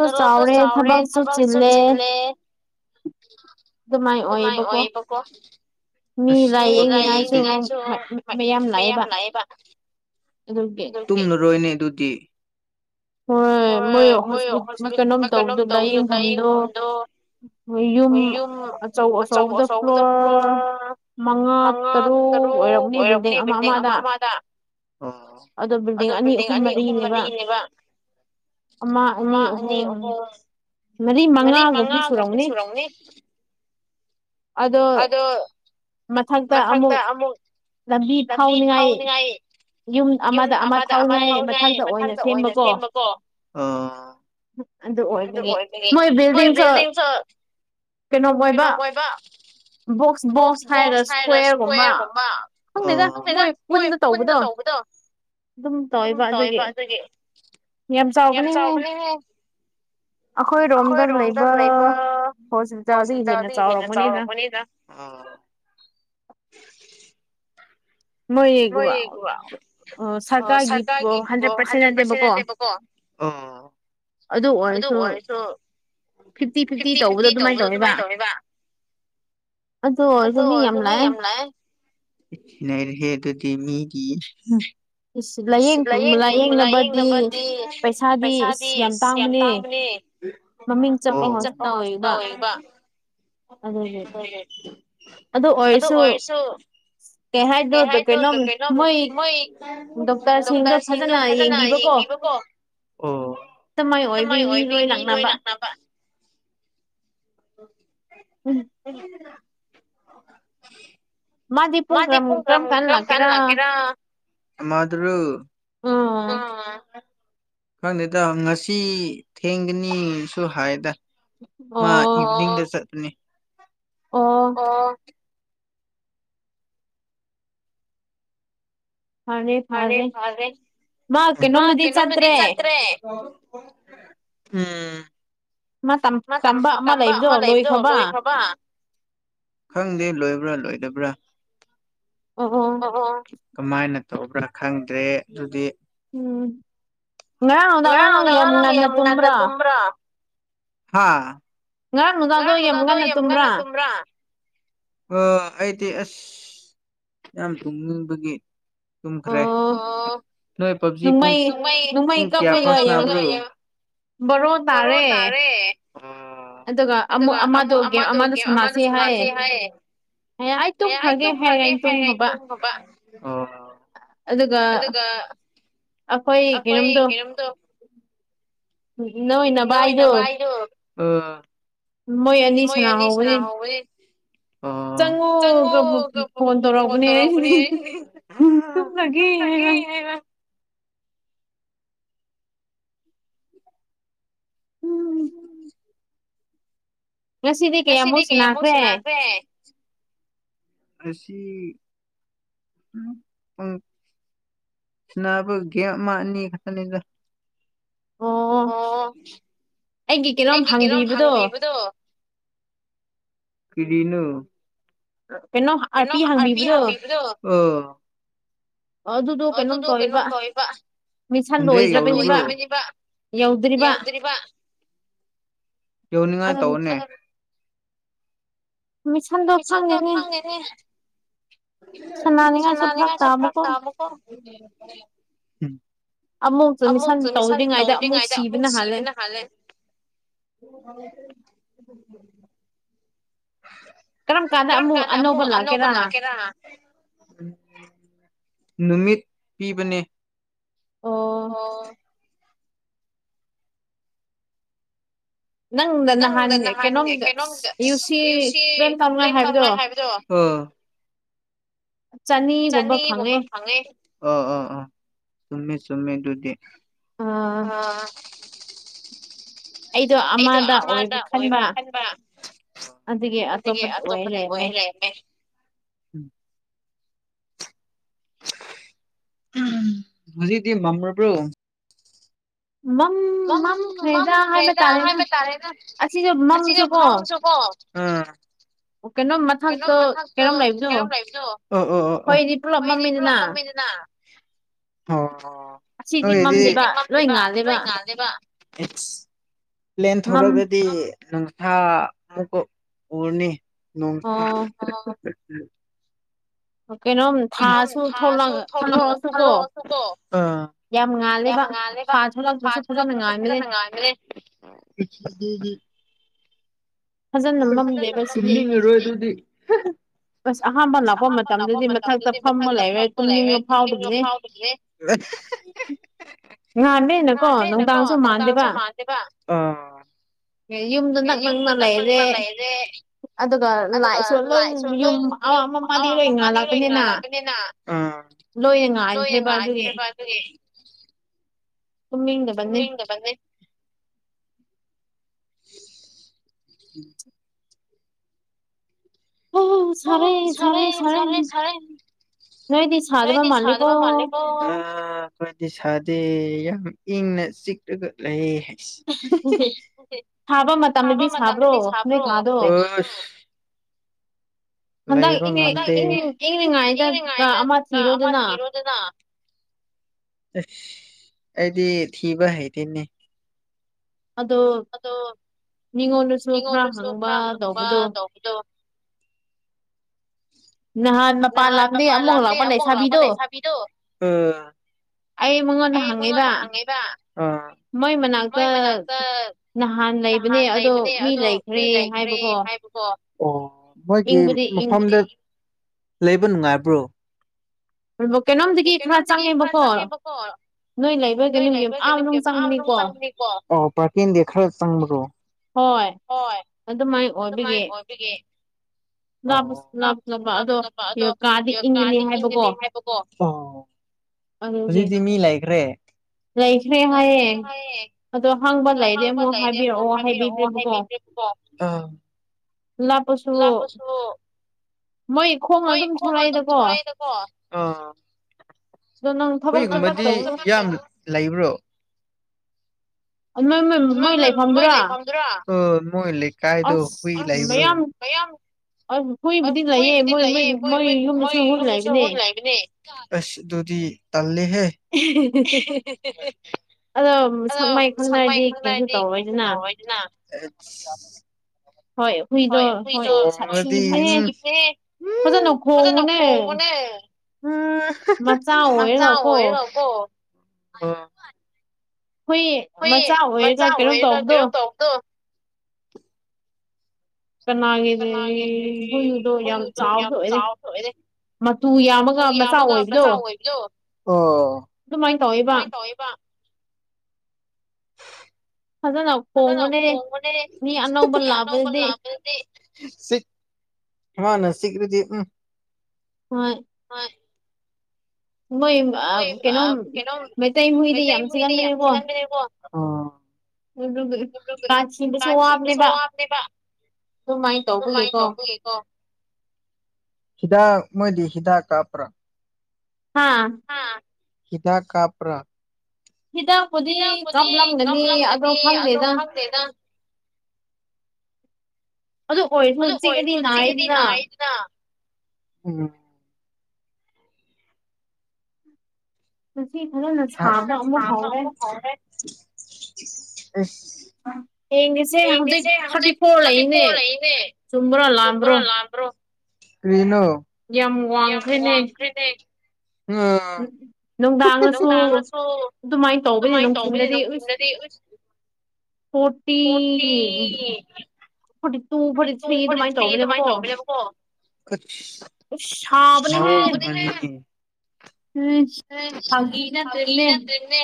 ꯆꯂꯣꯞꯁꯨ ꯆꯥꯎꯔꯦ ꯊꯕꯛꯁꯨ ꯆꯤꯜꯂꯦ ꯑꯗꯨꯃꯥꯏꯥꯏ ꯑꯣꯏ ꯄꯄꯣ ꯃꯤ ꯂꯥꯏꯌꯦꯡꯅꯤꯡꯉꯥꯏꯁꯨ ꯃꯌꯥꯝ ꯂꯥꯛꯑꯦꯕ ꯇꯨꯝꯅꯔꯣꯏꯅꯦ ꯑꯗꯨꯗꯤ ꯍꯣꯏ ꯃꯣꯏ ꯍꯣꯁꯄꯤ ꯀꯩꯅꯣꯝ ꯇꯧꯗ ꯂꯥꯏꯌꯦꯡꯐꯝꯗꯣ ꯌꯨꯝ ꯆ ꯆꯧꯗ ꯐ꯭ꯂ ꯃꯉꯥ ꯇꯔꯨꯛ ꯑꯣꯏꯔꯛꯅꯦ ꯕꯤꯜꯗꯤꯡ ꯑꯃ ꯑꯃꯗ ꯑꯣ ꯑꯗꯣ ꯕꯤꯜꯗꯤꯡ ꯑꯅꯤ ꯑꯍꯨꯝ ꯃꯔꯤꯅꯦꯕ ꯑ ꯑꯅꯤ ꯑ ꯃꯔꯤ ꯃꯉꯥꯒꯨꯝꯔꯤ ꯁꯨꯔꯧꯅꯦ ꯑꯗꯣ ꯃꯊꯛꯇ ꯑꯃꯨꯛ ꯇꯕꯤꯞ ꯈꯥꯎꯅꯤ ꯍꯥꯏꯌꯦ ꯌꯨꯝ ꯑꯃꯗ ꯑꯃ ꯊꯥꯎꯉꯥꯏ ꯃꯊꯛꯇ ꯑꯣꯏꯅ ꯁꯦꯝꯕꯀꯣ ꯑꯗꯨ ꯑꯣꯏ ꯃꯣꯏ ꯕꯤꯜꯗꯤꯡ ꯆ ꯀꯩꯅꯣꯧꯕ ꯑꯣꯏꯕ ꯕꯣꯛꯁ ꯕꯣꯛꯁ ꯍꯥꯏꯔ ꯏꯁꯀ꯭ꯋꯦꯔꯒꯨꯝꯕ ꯈꯪꯅꯦꯗ ꯃꯣꯏ ꯄꯨꯟꯅ ꯇꯧꯕꯗꯣ ꯑꯗꯨꯝ ꯇꯧꯕ ꯑꯗꯨꯒꯤ ꯌꯥꯝ ꯆ ꯑꯣꯕꯅꯤꯦ ꯑꯩꯈꯣꯏꯔꯣꯝꯗ ꯂꯩꯕ ꯍꯣꯇꯥ ꯑꯗꯨ ꯍꯦꯟꯅ ꯆꯥꯎꯔꯛꯄꯅꯤꯅ ꯑ ꯃꯣꯏ ꯁꯔꯀꯥꯔꯒꯤ ꯍꯟꯗ꯭ꯔꯦꯠ ꯄꯥꯔꯁꯦꯟ ꯅꯠꯇꯦꯕꯀꯣ ꯑ ꯑꯗꯨ ꯑꯣꯏꯔꯁꯨ ꯐꯤꯐꯇꯤ ꯐꯤꯐꯇꯤ ꯇꯧꯕꯗꯣ ꯑꯗꯨꯃꯥꯏꯅ ꯇꯧꯋꯕ ꯑꯣ ꯁꯃꯤ ꯌꯥꯝꯅ ꯍꯦ ꯀꯦꯃꯤꯒꯤ ꯂꯥꯏꯌꯦꯡ ꯂꯥꯏꯌꯦꯡꯅꯕꯗꯤ ꯄꯩꯁꯥꯗꯤ ꯀꯌꯥꯝ ꯇꯥꯡꯕꯅꯤ ꯃꯤ ꯆ ꯄ ꯍꯣꯁ ꯑꯣꯏꯕ ꯍ ꯑꯗꯣ ꯑꯣꯏꯁꯣ ꯀ ꯍꯥꯏꯥꯏꯗꯧ ꯇ ꯄꯦꯂꯣ ꯃꯣꯏ ꯗꯣꯛꯇꯔꯁꯤꯡꯗꯣ ꯐꯖꯅ ꯌꯦꯡꯕꯤꯕꯀꯣ ꯑꯣꯃꯥꯏ ꯑꯣꯏꯕꯤꯩ ꯃꯤ ꯂꯣꯏ ꯂꯛꯅꯕ [inaudible] ꯃꯥꯗꯤ ꯄꯨꯡ꯭ꯔꯝ ꯀꯝ ꯐ ꯂ ꯀꯦꯔꯥ ꯃꯥ ꯑ ꯈꯪꯗꯦꯗ ꯉꯁꯤ ꯊꯦꯡꯒꯅꯤꯁꯨ ꯍꯥꯏꯗ ꯃꯥ ꯏꯚꯅꯤꯡꯗꯁ ꯑꯗꯨꯅꯤ ꯑꯣ ꯑꯦ ꯐꯔꯦ ꯃꯥ ꯀ ꯅꯣꯃꯤꯗꯤ ꯆꯠꯇꯦ ꯎꯝ ꯇꯝꯕ ꯑꯃ ꯂꯩꯕꯗꯣ ꯂꯣꯏ ꯊꯕ ꯈꯪꯗꯦ ꯂꯣꯏꯕ꯭ꯔꯥ ꯂꯣꯏꯗꯕ꯭ꯔꯥ ꯀꯃꯥꯏꯅ ꯇꯧꯕ꯭ꯔꯥ ꯈꯪꯗ꯭ꯔꯦ ꯑꯗꯨꯗꯤ ꯎꯝ ꯉꯗꯉ ꯂ ꯃ ꯑꯟꯅ ꯇꯨꯝ꯭ꯔꯥ ꯍꯥꯥ ꯉꯔꯥꯡ ꯅꯨꯡꯗꯥꯗꯣ ꯌꯥꯝ ꯉꯟꯅ ꯇꯨꯝꯕ꯭ꯔꯥ ꯑꯩꯗꯤ ꯌꯥꯝ ꯇꯨꯝꯅꯤꯡꯕꯒꯤ ꯇꯨꯝꯈ꯭ꯔꯦ ꯅꯣꯏꯣꯏ ꯄꯕꯖꯤ ꯄꯨꯡ ꯄꯨꯡ ꯀꯌꯥ ꯐꯁꯅꯕ꯭ꯔ ꯕꯔꯣ ꯇꯅꯥꯔꯦ ꯑꯗꯨꯒ ꯑꯃꯨ ꯑꯃꯗꯣ ꯒꯦꯝ ꯑꯃꯗ ꯁꯥꯟꯅꯁꯤꯦ ꯍꯥꯏ ꯍ ꯑꯩ ꯇꯨꯝꯈ꯭ꯔꯒꯦ ꯍꯥꯏꯌꯦꯔ ꯑꯩꯅ ꯇꯨꯝꯈ꯭ꯔꯕ ꯑꯗꯨꯒ ꯑꯩꯈꯣꯏ ꯀꯩꯅꯣꯝꯗꯣ ꯅ ꯏꯅꯕꯥꯏꯔꯣ ꯃꯣꯏ ꯑꯅꯤ ꯁꯅꯥꯣ ꯆꯪꯉꯣ ꯐꯣꯟ ꯇꯧꯔꯛꯑꯕꯅꯦ ꯑꯩ ꯒꯅꯦꯕ ꯉꯁꯤꯗꯤ ꯀꯌꯥꯃꯨꯛ ꯁꯨꯅꯥꯈ꯭ꯔꯦ ꯑꯁꯤꯁꯤ ꯑꯣ ꯁꯤꯅꯕ ꯒꯦꯝ ꯃꯥ ꯑꯅꯤ ꯈꯛꯇꯅꯤꯗ ꯑꯣ ꯑꯩꯒꯤ ꯀꯩꯅꯣꯝ ꯍꯥꯡꯕꯤꯕꯗꯣ ꯀꯤꯔꯤꯅ ꯀꯩꯅꯣ ꯑꯔꯄꯤ ꯍꯪꯕꯤꯕꯗꯣ ꯑꯗꯨꯗꯣ ꯀꯩꯅꯣꯝ ꯇꯧꯋꯕ ꯃꯤꯠꯁꯟ ꯂꯣꯏꯗ꯭ꯔꯕꯅꯤꯕ ꯌꯧꯗ꯭ꯔꯤꯕ ꯌꯧꯅꯤꯡꯉꯥꯏ ꯇꯧꯅꯦ ꯃꯤꯁꯜꯗ ꯐꯒꯦꯅꯦ ꯁꯅꯥꯅꯤꯡꯉꯥꯏꯁꯨ ꯐꯔꯛ ꯇꯥꯕꯀꯣ ꯑꯃꯨꯁꯨ ꯁꯥꯅ ꯇꯧꯗ꯭ꯔꯤꯉꯩꯗ ꯑꯃꯨꯛ ꯁꯤꯕꯅ ꯍꯥꯜꯂꯦ ꯑꯣ ꯀꯝ ꯀꯥꯟꯗ ꯑꯃꯛ ꯑꯅꯄ ꯂꯥꯛꯀꯦ ꯔꯅꯥ ꯅꯨꯃꯤꯠ ꯄꯤꯕꯅꯦ ꯅꯪꯅ ꯅꯍꯥꯟ ꯀꯩꯅꯣꯝꯗ ꯌꯨ ꯁꯤꯦꯟ ꯇꯧꯉꯥꯏ ꯍꯥꯏꯕꯗꯣ [inaudible] ꯆꯅꯤꯒꯕ ꯐꯉꯦ ꯑꯣ ꯑꯣ ꯑꯣ ꯆꯃꯤ ꯁꯃꯤ ꯑꯗꯨꯗꯨꯗꯤ ꯑꯩꯗꯣ ꯑꯃꯗ ꯑꯣꯏꯕ ꯈꯟꯕ ꯑꯗꯒꯤ ꯑꯇꯣꯞꯄ ꯑꯣꯏ ꯂꯩꯔꯝꯃꯦ ꯍꯧꯖꯤꯗꯤ ꯃꯝ꯭ꯔꯔꯕ꯭ꯔꯣ ꯃꯪ ꯃꯪꯈ꯭ꯔꯦꯗ ꯍꯥꯏꯕ ꯇꯥꯔꯦꯅ ꯑꯁꯤꯁꯨ ꯃꯪꯁꯨꯕꯣ ꯎꯝ ꯀꯩꯅꯣꯝ ꯃꯊꯛꯇ ꯀꯩꯅꯣꯝ ꯂꯩꯕꯅꯣ ꯎ ꯎ ꯎ ꯍꯣꯏꯗꯤ ꯄꯨꯂꯞ ꯃꯝꯃꯤꯗꯅ ꯑꯣ ꯅꯣꯏꯗꯤꯕ ꯅꯣꯏ ꯉꯥꯅꯦꯦꯕ ꯑꯦꯛꯁ ꯄ꯭ꯂꯦꯟ ꯊꯧꯔꯛꯒꯗꯤ ꯅꯪꯁꯥ ꯑꯃꯨꯛꯀ ꯎꯔꯅꯤ ꯣꯡ ꯀꯩꯅꯣꯝ ꯊꯥꯁꯨ ꯊꯂꯣꯛꯑꯁꯨꯀꯣ ꯌꯥꯝ ꯉꯥꯜꯂꯦꯕ ꯁꯥꯥ ꯊꯂꯛꯄꯁꯨ ꯐꯖꯅ ꯉꯥꯏꯈ꯭ꯔꯦ [inaudible] ꯊꯟꯅꯤꯡꯉꯔꯣꯏ ꯑꯗꯨꯗꯤ ꯑꯁ ꯑꯍꯥꯞꯄ ꯂꯥꯛꯄ ꯃꯇꯝꯗꯨꯗꯤ ꯃꯊꯛꯇ ꯐꯄ ꯂꯩꯔ ꯇꯨꯝꯅꯤꯡꯅ ꯐꯥꯎꯕꯒꯤꯅꯦ ꯉꯥꯟꯥꯟꯕꯩꯅꯀꯣ ꯅꯨꯡꯗꯥꯡꯁꯨ ꯃꯥꯟꯗꯦꯕ ꯌꯨꯝꯗ ꯅꯛ ꯅꯛꯅ ꯂꯩꯔꯦ ꯑꯗꯨꯒ ꯂꯥꯏꯁꯨ ꯂꯣꯏ ꯌꯨꯝ ꯑꯋꯥ ꯑꯄꯥ ꯃꯗꯤ ꯂꯣꯏ ꯉꯥꯜꯂꯛꯄꯅꯤꯅ ꯂꯣꯏꯉꯦ ꯄ ꯀꯃꯤꯒꯅꯤ ꯎꯝ ꯑꯣ ꯁꯔꯦ ꯁꯔꯦ ꯁꯔꯦ ꯅꯣꯏꯗꯤ ꯁꯥꯗꯕ ꯃꯥꯅꯤꯀ ꯑꯩꯣꯏꯗꯤ ꯁꯥꯗꯦ ꯌꯥꯝ ꯏꯪꯅ ꯆꯤꯛꯂꯒ ꯂꯩ ꯁꯥꯕ ꯃꯇꯝꯗꯗꯤ ꯁꯥꯕ꯭ꯔꯣ ꯂꯩꯕ ꯉꯝꯗ ꯑꯩꯅ ꯉꯥꯏꯗ ꯑꯃ ꯁꯤꯔꯣꯗꯅ ꯑꯩꯗꯤ ꯊꯤꯕ ꯍꯥꯏꯇꯅꯦ ꯑꯗꯣ ꯃꯤꯉꯣꯟꯗꯁꯨ ꯈꯔ ꯍꯪꯕ ꯇꯧꯕꯗꯣ ꯅꯍꯥꯟ ꯃꯄꯥꯟ ꯂꯥꯛꯇꯦ ꯑꯃꯨꯛ ꯂꯥꯛꯄ ꯂꯩꯁꯥꯕꯤꯗꯣ ꯑꯩ ꯃꯉꯣꯟꯗ ꯍꯪꯉꯛꯕ ꯃꯣꯏ ꯃꯅꯥꯛꯇ ꯅꯍꯥꯟ ꯂꯩꯕꯅꯦ ꯑꯗꯣ ꯃꯤ ꯂꯩꯈ꯭ꯔꯦ ꯍꯥꯏꯕꯗꯣꯣꯏꯒꯤ ꯃꯐꯝꯗ ꯂꯩꯕ ꯅꯨꯡꯉꯥꯏꯕ꯭ꯔꯣ ꯀꯩꯅꯣꯝꯗꯒꯤ ꯈꯔ ꯆꯪꯉꯦꯕꯀꯣ ꯄꯥꯔꯗꯤ ꯈꯔ ꯆꯪꯕ꯭ꯔꯣ ꯍꯣꯏ ꯑꯗꯨꯃꯥꯏꯅ ꯑꯣꯏꯕꯒꯦ ꯑꯗꯣ ꯀꯥꯗꯤ ꯏꯟꯒꯅꯤ ꯍꯥꯏꯕꯀꯣ ꯑꯣ ꯍꯧꯖꯤꯛꯇꯤ ꯃꯤ ꯂꯩꯈ꯭ꯔꯦ ꯂꯩꯈ꯭ꯔꯦ ꯍꯥꯏꯌꯦ ꯑꯗꯣ ꯍꯪꯕꯗꯏꯗꯤ ꯑꯃꯨꯛ ꯍꯥꯏꯕꯤꯔꯛꯑꯣ ꯍꯥꯏꯕꯤꯗ꯭ꯦꯀꯣ ꯂ ꯄꯁꯨ ꯃꯣꯏ ꯈꯣꯡꯅ ꯑꯗꯨꯝ ꯊꯣꯛꯂꯛꯑꯗꯀꯣ ꯍꯨꯏꯒꯨꯝꯕꯗꯤ ꯌꯥꯝ ꯂꯩꯕ꯭ꯔꯣ ꯣꯏ ꯂꯩ ꯃꯣꯏ ꯂꯩꯀꯥꯏꯗꯣ ꯍꯨꯏ ꯂꯩꯕ꯭ꯔꯣ ꯑ ꯍꯨꯏꯕꯨꯗꯤ ꯂꯥꯛꯌꯦꯦ ꯃꯣꯏ ꯃꯣꯏ ꯃꯣꯏ ꯌꯨꯝꯗꯁꯨ ꯍꯨꯏ ꯂꯥꯛꯏꯕꯅꯦ ꯑꯁ ꯗꯗꯨꯙ ꯇꯜꯦ ꯍꯦ ꯑꯗꯣ ꯁꯛ ꯃꯥꯏ ꯈꯪꯅꯔꯗꯤ ꯀꯩꯁꯨ ꯇꯧꯔꯣꯏꯗꯅ ꯍꯏꯦ ꯎ ꯑꯣꯖꯅꯀ ꯃ ꯑ ꯎꯝ ꯃꯆꯥ ꯑꯣꯏꯌꯦꯦ ꯍꯕꯣ ꯑꯩꯈꯣꯏ ꯃꯆꯥ ꯑꯣꯏꯔꯒ ꯀꯩꯅꯣꯝ ꯇꯧꯕꯗꯣ ꯆ ꯌꯥꯝ ꯆꯥꯎꯁꯨ ꯃꯆꯨ ꯌꯥꯎꯕꯒ ꯃꯁꯥꯎ ꯑꯣꯏꯕꯤꯌꯣ ꯑꯣ ꯇꯕ ꯑꯗꯨꯅ ꯄꯉꯅꯦꯦ ꯑꯅꯧꯕ ꯂꯥꯕꯗꯤ ꯁꯤ ꯍ ꯅ ꯁꯀꯔꯤꯗꯤ ꯎꯝ ꯍꯣꯏ ꯍꯣꯏ ꯀꯩꯅꯣ ꯃ ꯇ ꯌꯥꯝꯁꯤꯅꯦꯣ ꯁꯣꯅꯦ ꯇ ꯃꯥꯥꯏ ꯇꯧꯒ ꯌꯦꯀꯣ ꯍꯤꯗꯥ ꯃꯣꯏꯗꯤ ꯍꯤꯗꯥ ꯀꯥꯄ꯭ꯔꯥ ꯍꯥꯥ ꯍꯤꯗꯥ ꯀꯥꯄ꯭ꯔꯥ ꯍꯤꯗꯥꯛꯄꯨꯗꯤ ꯀꯥꯞꯂꯝꯒꯅꯤ ꯑꯗꯣ ꯈꯪꯗꯦꯗ ꯑꯗꯨ ꯑꯣꯏ ꯈꯣꯁꯤꯒꯗꯤ ꯅꯥꯏꯗꯅ ꯑ ꯑ ꯌꯦꯡꯉꯁꯦ ꯍꯧꯖꯤꯛ ꯊꯥꯔꯇꯤ ꯐꯣꯔ ꯂꯩꯔꯤꯅꯦ ꯆꯨꯝꯕ꯭ꯔꯣ ꯂꯥꯝꯕ꯭ꯔꯣ ꯔꯅꯣ ꯌꯥꯝ ꯑꯥꯁꯨꯣ ꯑꯗꯨꯃꯥꯏꯅ ꯇꯧꯕꯅꯤ ꯅꯪꯛ ꯊꯈꯤꯗꯗꯤ ꯐꯇꯤ ꯍꯥꯏ ꯇꯨ ꯐ ꯊꯉꯤ ꯑꯗꯨꯃꯥꯏꯅ ꯇꯧꯕꯅꯦꯕꯀꯣ [inaudible] ꯎꯝ ꯍꯒ ꯑꯗꯨꯃꯦ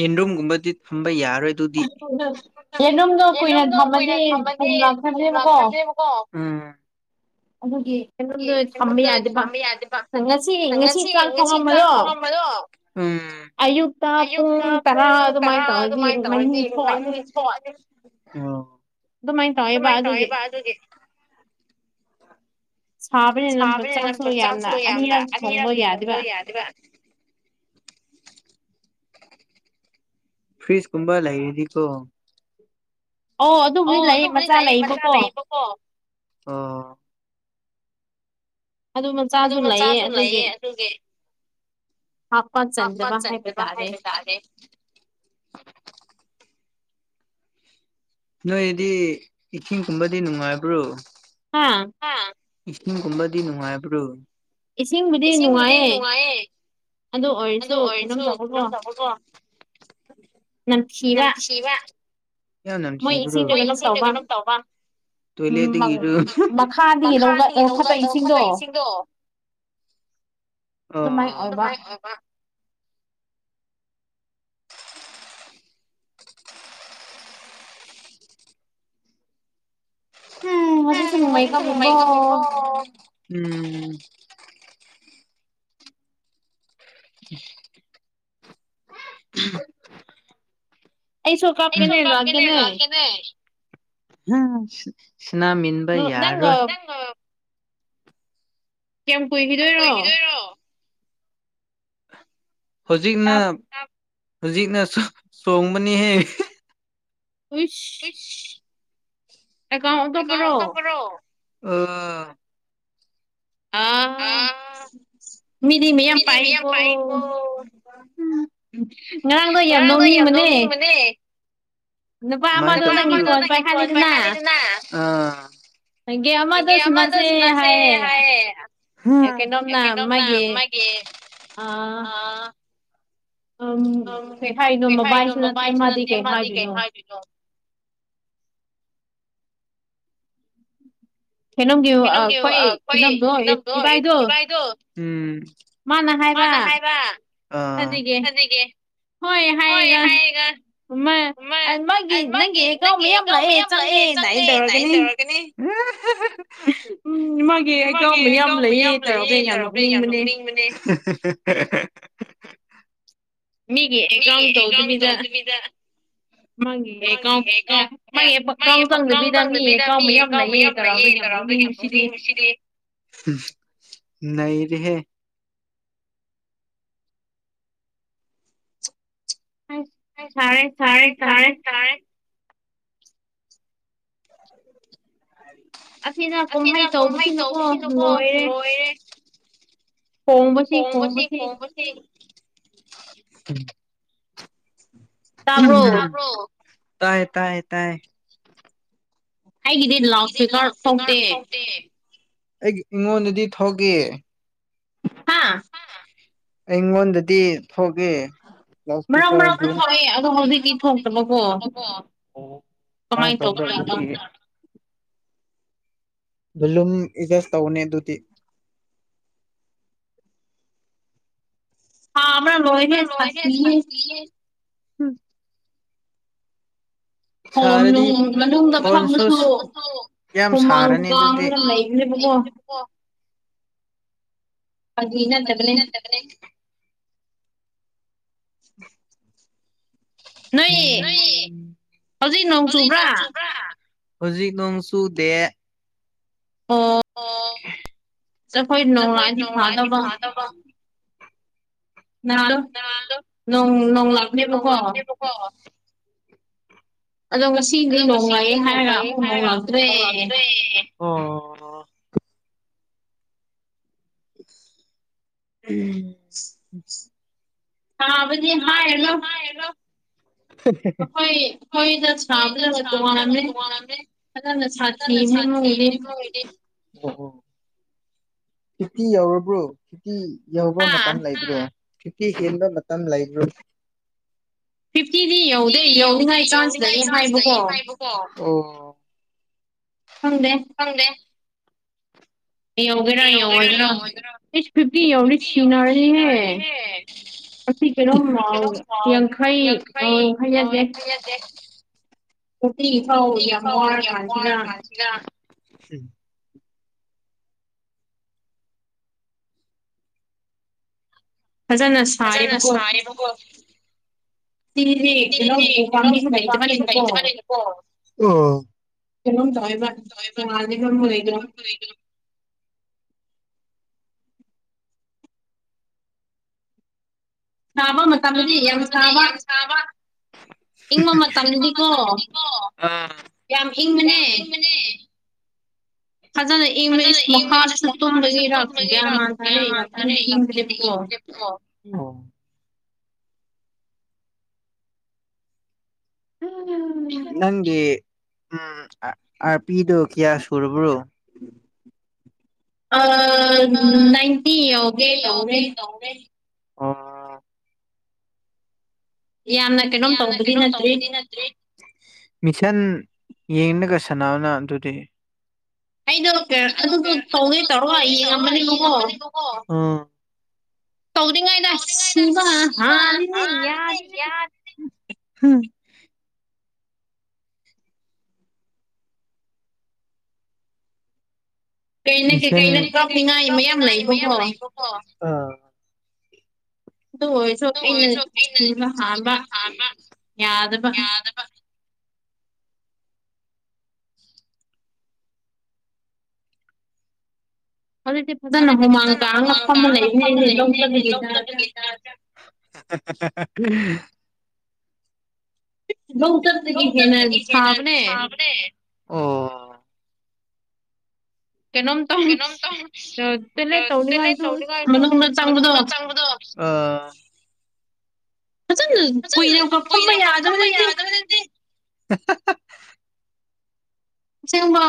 ꯏꯨꯝ ꯀꯨꯝꯕꯗꯤ ꯐꯝꯕ ꯌꯥꯔ ꯑꯗꯨꯗꯤ ꯌꯦꯔꯨꯝꯗꯣ ꯀꯨꯏꯅ ꯊꯝꯃꯗꯤ ꯄꯨꯝ ꯂꯈꯗꯦꯕꯀꯣ ꯎꯝ ꯣꯝꯗ ꯐꯪꯝꯕ ꯌꯥꯗꯦꯕ ꯉꯁꯤ ꯉꯁꯤ ꯆꯥꯡ ꯊꯣꯡꯉꯝꯕꯗꯣ ꯑꯌꯨꯛꯇ ꯄꯨꯡꯨꯡ ꯇꯔ ꯑꯗꯨꯥꯏ [inaudible] ꯀꯃꯥꯏꯅ ꯊꯧꯕ ꯑꯗꯨꯒꯤꯦ ꯁꯥꯕꯅꯤꯅ ꯆ ꯆꯥꯡꯁꯨ ꯌꯥꯝꯅ ꯑꯅꯤꯔꯛ ꯐꯣꯡꯕ ꯌꯥꯗꯕ [inaudible] ꯐ꯭ꯔꯤꯖꯀꯨꯝꯕ ꯂꯩꯔꯤꯗꯤꯀꯣ ꯑꯣ ꯑꯗꯨꯕꯨꯗꯤ ꯂꯩ ꯃꯆꯥ ꯂꯩꯕꯀꯣ ꯑꯗꯨ ꯃꯆꯥꯁꯨ ꯂꯩꯌꯦ ꯑꯗꯨꯒꯤ ꯍꯥꯄꯥ ꯆꯟꯗꯃ ꯍꯥꯏ ꯇꯥꯥꯔꯦ ꯅꯣꯏꯗꯤ ꯏꯁꯤꯡꯒꯨꯝꯕꯗꯤ ꯅꯨꯡꯉꯥꯏꯕ꯭ꯔꯣ ꯍꯥꯥ ꯏꯁꯤꯡꯒꯨꯝꯕꯗꯤ ꯅꯨꯡꯉꯥꯏꯕ꯭ꯔꯣ ꯏꯁꯤꯡꯕꯨꯗꯤ ꯅꯨꯡꯉꯥꯏꯌꯦ ꯑꯗꯨ ꯑꯣꯏꯔꯁꯨ ꯀꯩꯅꯣꯝ ꯇꯧꯕꯀꯣ ꯃ ꯁꯤꯋꯥ ꯣꯏ ꯏꯁꯤꯡ ꯀꯩꯅꯣꯝ ꯇ ꯇꯣꯏꯂꯦꯠꯇꯒꯤ ꯃꯈꯥ ꯈꯣꯠꯄ ꯏꯁꯤꯡꯗꯣ ꯑꯣ ꯠꯇ ꯃꯩꯀꯝꯕꯣ ꯎꯝ [inaudible] ꯑꯩ ꯁꯣ ꯀꯥꯞ ꯀꯅꯦ ꯀꯅꯦ ꯁꯤꯅꯃꯤꯟꯕ ꯌꯥꯔꯣꯏ ꯀꯌꯥꯝ ꯀꯨꯏꯈꯤꯗꯣꯏꯔꯣ ꯍꯧꯖꯤꯛꯅ ꯍꯧꯖꯤꯛꯅ ꯆꯣꯡꯕꯅꯤ ꯍꯦꯛ ꯈꯁ ꯀꯥꯎ ꯇ ꯄꯔꯣ ꯑ ꯃꯤꯗꯤ ꯃ ꯌꯥꯝ ꯄꯥꯏꯕꯣ ꯎ ꯉꯔꯥꯡꯗꯣ ꯌꯥꯝ ꯂꯧꯅꯤꯡꯕꯅꯦ ꯅꯨꯄꯥ ꯑꯃꯗꯣ ꯅꯪꯒꯤ ꯐꯣꯟ ꯄꯥꯏꯍꯜꯂꯤꯗꯨꯅ ꯒꯦ ꯑꯃꯗ ꯁꯨꯅꯁꯦ ꯍꯥꯏ ꯀꯩꯅꯣꯝꯅ ꯃꯥꯒꯤ ꯑꯥ ꯎꯝ ꯀꯩ ꯍꯥꯏꯔꯤꯅꯣ ꯃꯕꯥꯏꯁꯨ ꯅꯠꯇꯦ ꯃꯥꯗꯤꯩ ꯀꯩ ꯍꯥꯏꯗꯣꯏꯅꯣ ꯀꯩꯅꯣꯝꯒꯤ ꯑꯩꯈꯣꯏ ꯀꯩꯅꯝꯗꯣ ꯏꯕꯥꯏꯗꯨꯣ ꯃꯥꯅ ꯍꯥꯏꯕ ꯑꯗꯨꯗꯒꯤ ꯍꯣꯏ ꯍꯥꯏꯌꯦꯒ ꯎ ꯃꯥꯒꯤ ꯅꯪꯒꯤ ꯀꯥꯎꯕꯌꯥꯝ ꯂꯥꯛꯑꯦ ꯆꯪꯉꯦꯅ ꯑ ꯇꯧꯔꯒꯅꯤ ꯎꯝ ꯎꯝ ꯃꯥꯃꯒꯤ ꯍꯩꯀꯥꯎ ꯃꯌꯥꯝ ꯂꯩꯌꯦ ꯇꯔꯥꯎꯅ ꯌꯥꯝ ꯅꯣꯛꯅꯤꯡꯕꯅꯦ [inaudible] ꯃꯤꯦ ꯀꯥꯎꯪ ꯇꯧ ꯇꯃꯤꯗ ꯃꯥꯪꯉꯦꯍꯦ ꯀꯥꯎꯕꯦ ꯃꯥꯍꯦ ꯀꯥꯎ ꯀꯪꯗꯕꯤꯗ ꯃꯤꯍꯦ ꯀꯥꯎꯕ ꯌꯥꯝ ꯂꯩꯌꯦꯗꯧꯔꯥ ꯅ ꯔꯦꯍꯦ ꯇꯔꯦ ꯁꯔꯦ ꯇꯔꯦ [inaudible] ꯑꯁꯤꯈꯅ ꯀꯃꯍꯥꯏꯅ ꯇꯧꯕꯁꯤꯅꯣꯀꯣ ꯂꯣꯏꯔꯦ ꯀꯣꯡꯕꯁꯤ ꯀꯣꯡꯕꯁꯤ ꯇꯥꯏ ꯇꯥꯏ ꯇꯥꯏ ꯑꯩꯒꯤꯗꯤ ꯂꯥꯎꯠ ꯏꯁꯄꯤꯀꯔ ꯊꯣꯛꯥꯎꯇꯦ ꯑꯩ ꯑꯩꯉꯣꯟꯗꯗꯤ ꯊꯣꯛꯒꯦ ꯍꯥꯥ ꯏꯪꯣꯗꯗꯤ ꯍꯒꯦ ꯂꯀꯤ ꯀꯔꯒꯦ ꯀꯃꯥꯏꯅ ꯇꯧꯕ ꯇ ꯂꯨꯝ ꯏꯖꯁ ꯇꯧꯅꯦ ꯑꯗꯨꯗꯨꯗꯤ ꯍꯥ ꯑꯃꯔ ꯂꯣꯏꯔꯦ ꯆ ꯎꯝ ꯣ ꯃꯅꯨꯡꯗ ꯐꯃꯁꯨ ꯍꯨꯃꯥꯡ ꯆꯥꯎꯥꯒ ꯂꯩꯕꯅꯦꯕ ꯃ [inaudible] ꯑꯒꯤ ꯏꯅꯠꯇꯕꯅꯦ [inaudible] ꯅꯣꯏ ꯑꯖꯩ ꯅꯧꯆꯣ ꯀ꯭ꯔꯥ ꯍꯧꯖꯤꯛ ꯅꯣꯡ ꯆꯨꯗꯦ ꯑꯣ ꯆ ꯐꯣꯏ ꯅꯣꯡꯔꯥꯅꯤ ꯊꯥꯗꯕ ꯍ ꯅꯣꯡ ꯂꯥꯛꯅꯦꯕꯀꯣ [inaudible] ꯑꯗꯨꯒ ꯉ ꯁꯤꯗꯤ ꯍꯥꯏꯔꯒꯠꯇ꯭ꯔꯦ [inaudible] ꯎꯝ ꯍꯥꯕ ꯍꯥꯥ ꯍꯅꯣ ꯑꯩꯈꯣꯏ ꯑꯩꯈꯣꯏꯗ ꯁꯥꯕꯖꯔ ꯇꯣꯉꯅꯝꯃꯦ ꯑꯂ ꯁꯥ ꯏꯅꯤ ꯃꯃꯤ ꯂꯩ ꯑꯣ ꯍꯣ ꯐꯈꯤꯇꯤ ꯌꯧꯔꯕ꯭ꯔꯣ ꯐꯈꯤꯇꯤ ꯌꯧꯕ ꯃꯇꯝ ꯂꯩꯕ꯭ꯔꯦ ꯐꯈꯤꯇꯤ ꯍꯦꯟꯕ ꯇꯝ ꯂꯩꯕ꯭ꯔꯣ ꯐꯤꯐꯇꯤꯗꯤ ꯌꯧꯗꯦ ꯌꯧꯅꯤꯉꯥꯏ ꯆꯥꯟꯁ ꯂꯩꯌꯦ ꯍꯥꯏꯕꯀꯣ ꯑꯣ ꯍꯪꯗꯦ ꯌꯧꯒꯔ ꯌꯒꯦꯔꯧꯔ ꯁꯤꯅꯔꯦ ꯍꯦ ꯩꯅꯣ ꯌꯦꯡꯈꯩ ꯐꯥꯎ ꯀ ꯀꯁꯤ ꯐꯖꯅ ꯁꯕꯀꯣ ꯁꯤꯗꯤꯦ ꯌꯦꯩꯅꯣ ꯀꯝꯃꯤꯁꯤꯡ ꯃꯩꯠꯇ ꯃꯥꯅꯤ ꯏꯅꯤꯀꯣ ꯍꯂꯣꯝ ꯇꯕ ꯋꯥꯝꯝ ꯁꯥꯕ ꯃꯇꯝꯗꯗꯤ ꯌꯥꯝ ꯁꯥꯕ ꯏꯪꯕ ꯃꯇꯝꯅꯤꯀꯣ ꯌꯥꯝ ꯏꯪꯕꯅꯦ ꯍꯖꯅ ꯏꯁ ꯃꯀꯥꯜ ꯁꯣꯔꯇꯥꯔꯦ ꯎ ꯅꯪꯒꯤ ꯎꯝ ꯑꯥꯔ ꯄꯤꯗꯨ ꯀꯤꯌꯥ ꯁꯨꯔꯕ꯭ꯔꯣ ꯑ ꯅꯥꯏꯟꯇꯤ ꯑꯣꯒꯦ ꯇꯧꯦ ꯌꯥꯝꯅ ꯀꯩꯅꯣꯝ ꯇꯧꯕꯗꯤ ꯅꯠꯇ꯭ꯔꯤ ꯃꯤꯟ ꯌꯦꯡꯒ ꯁꯅꯥꯎꯅ ꯑꯗꯨꯗꯤ ꯑꯩꯅ ꯑꯗꯨꯁꯨ ꯇꯧꯋꯦ ꯇꯧꯔꯒ ꯌꯦꯡꯉꯝꯃꯅꯦꯕꯀꯣ ꯑꯝ ꯇꯧ꯭ꯔꯤꯉꯩꯗ ꯁꯤꯕ ꯍꯥꯗꯤꯅꯦ ꯌꯥꯗꯦꯅꯦ ꯍꯥꯥ ꯉ ꯃꯌꯥꯝ ꯂꯩꯕꯀꯣ ꯑꯗꯨ ꯑꯣꯏꯔꯁꯨ ꯑꯩꯅ ꯁꯤꯕ ꯍꯥꯝꯕ ꯌꯥꯗꯕ ꯑ ꯄꯨ ꯅꯍ ꯃꯥꯅ ꯑ ꯂ ꯂꯅꯦ ꯂꯧ ꯎꯔꯦ [inaudible] ꯧꯇꯔ ꯍꯅ ꯁꯕꯅꯦ ꯑꯣ ꯀꯩꯅꯣ ꯑꯃꯇ ꯔꯁ ꯂꯩ ꯇꯧ ꯉꯁꯨ ꯃꯅ ꯍ ꯆꯥꯡꯗ [inaudible] ꯐꯖꯅ ꯀꯨꯏꯔ ꯐꯝꯕ ꯌꯥꯗꯕ ꯅꯠꯇꯦ [inaudible] ꯁꯤꯃ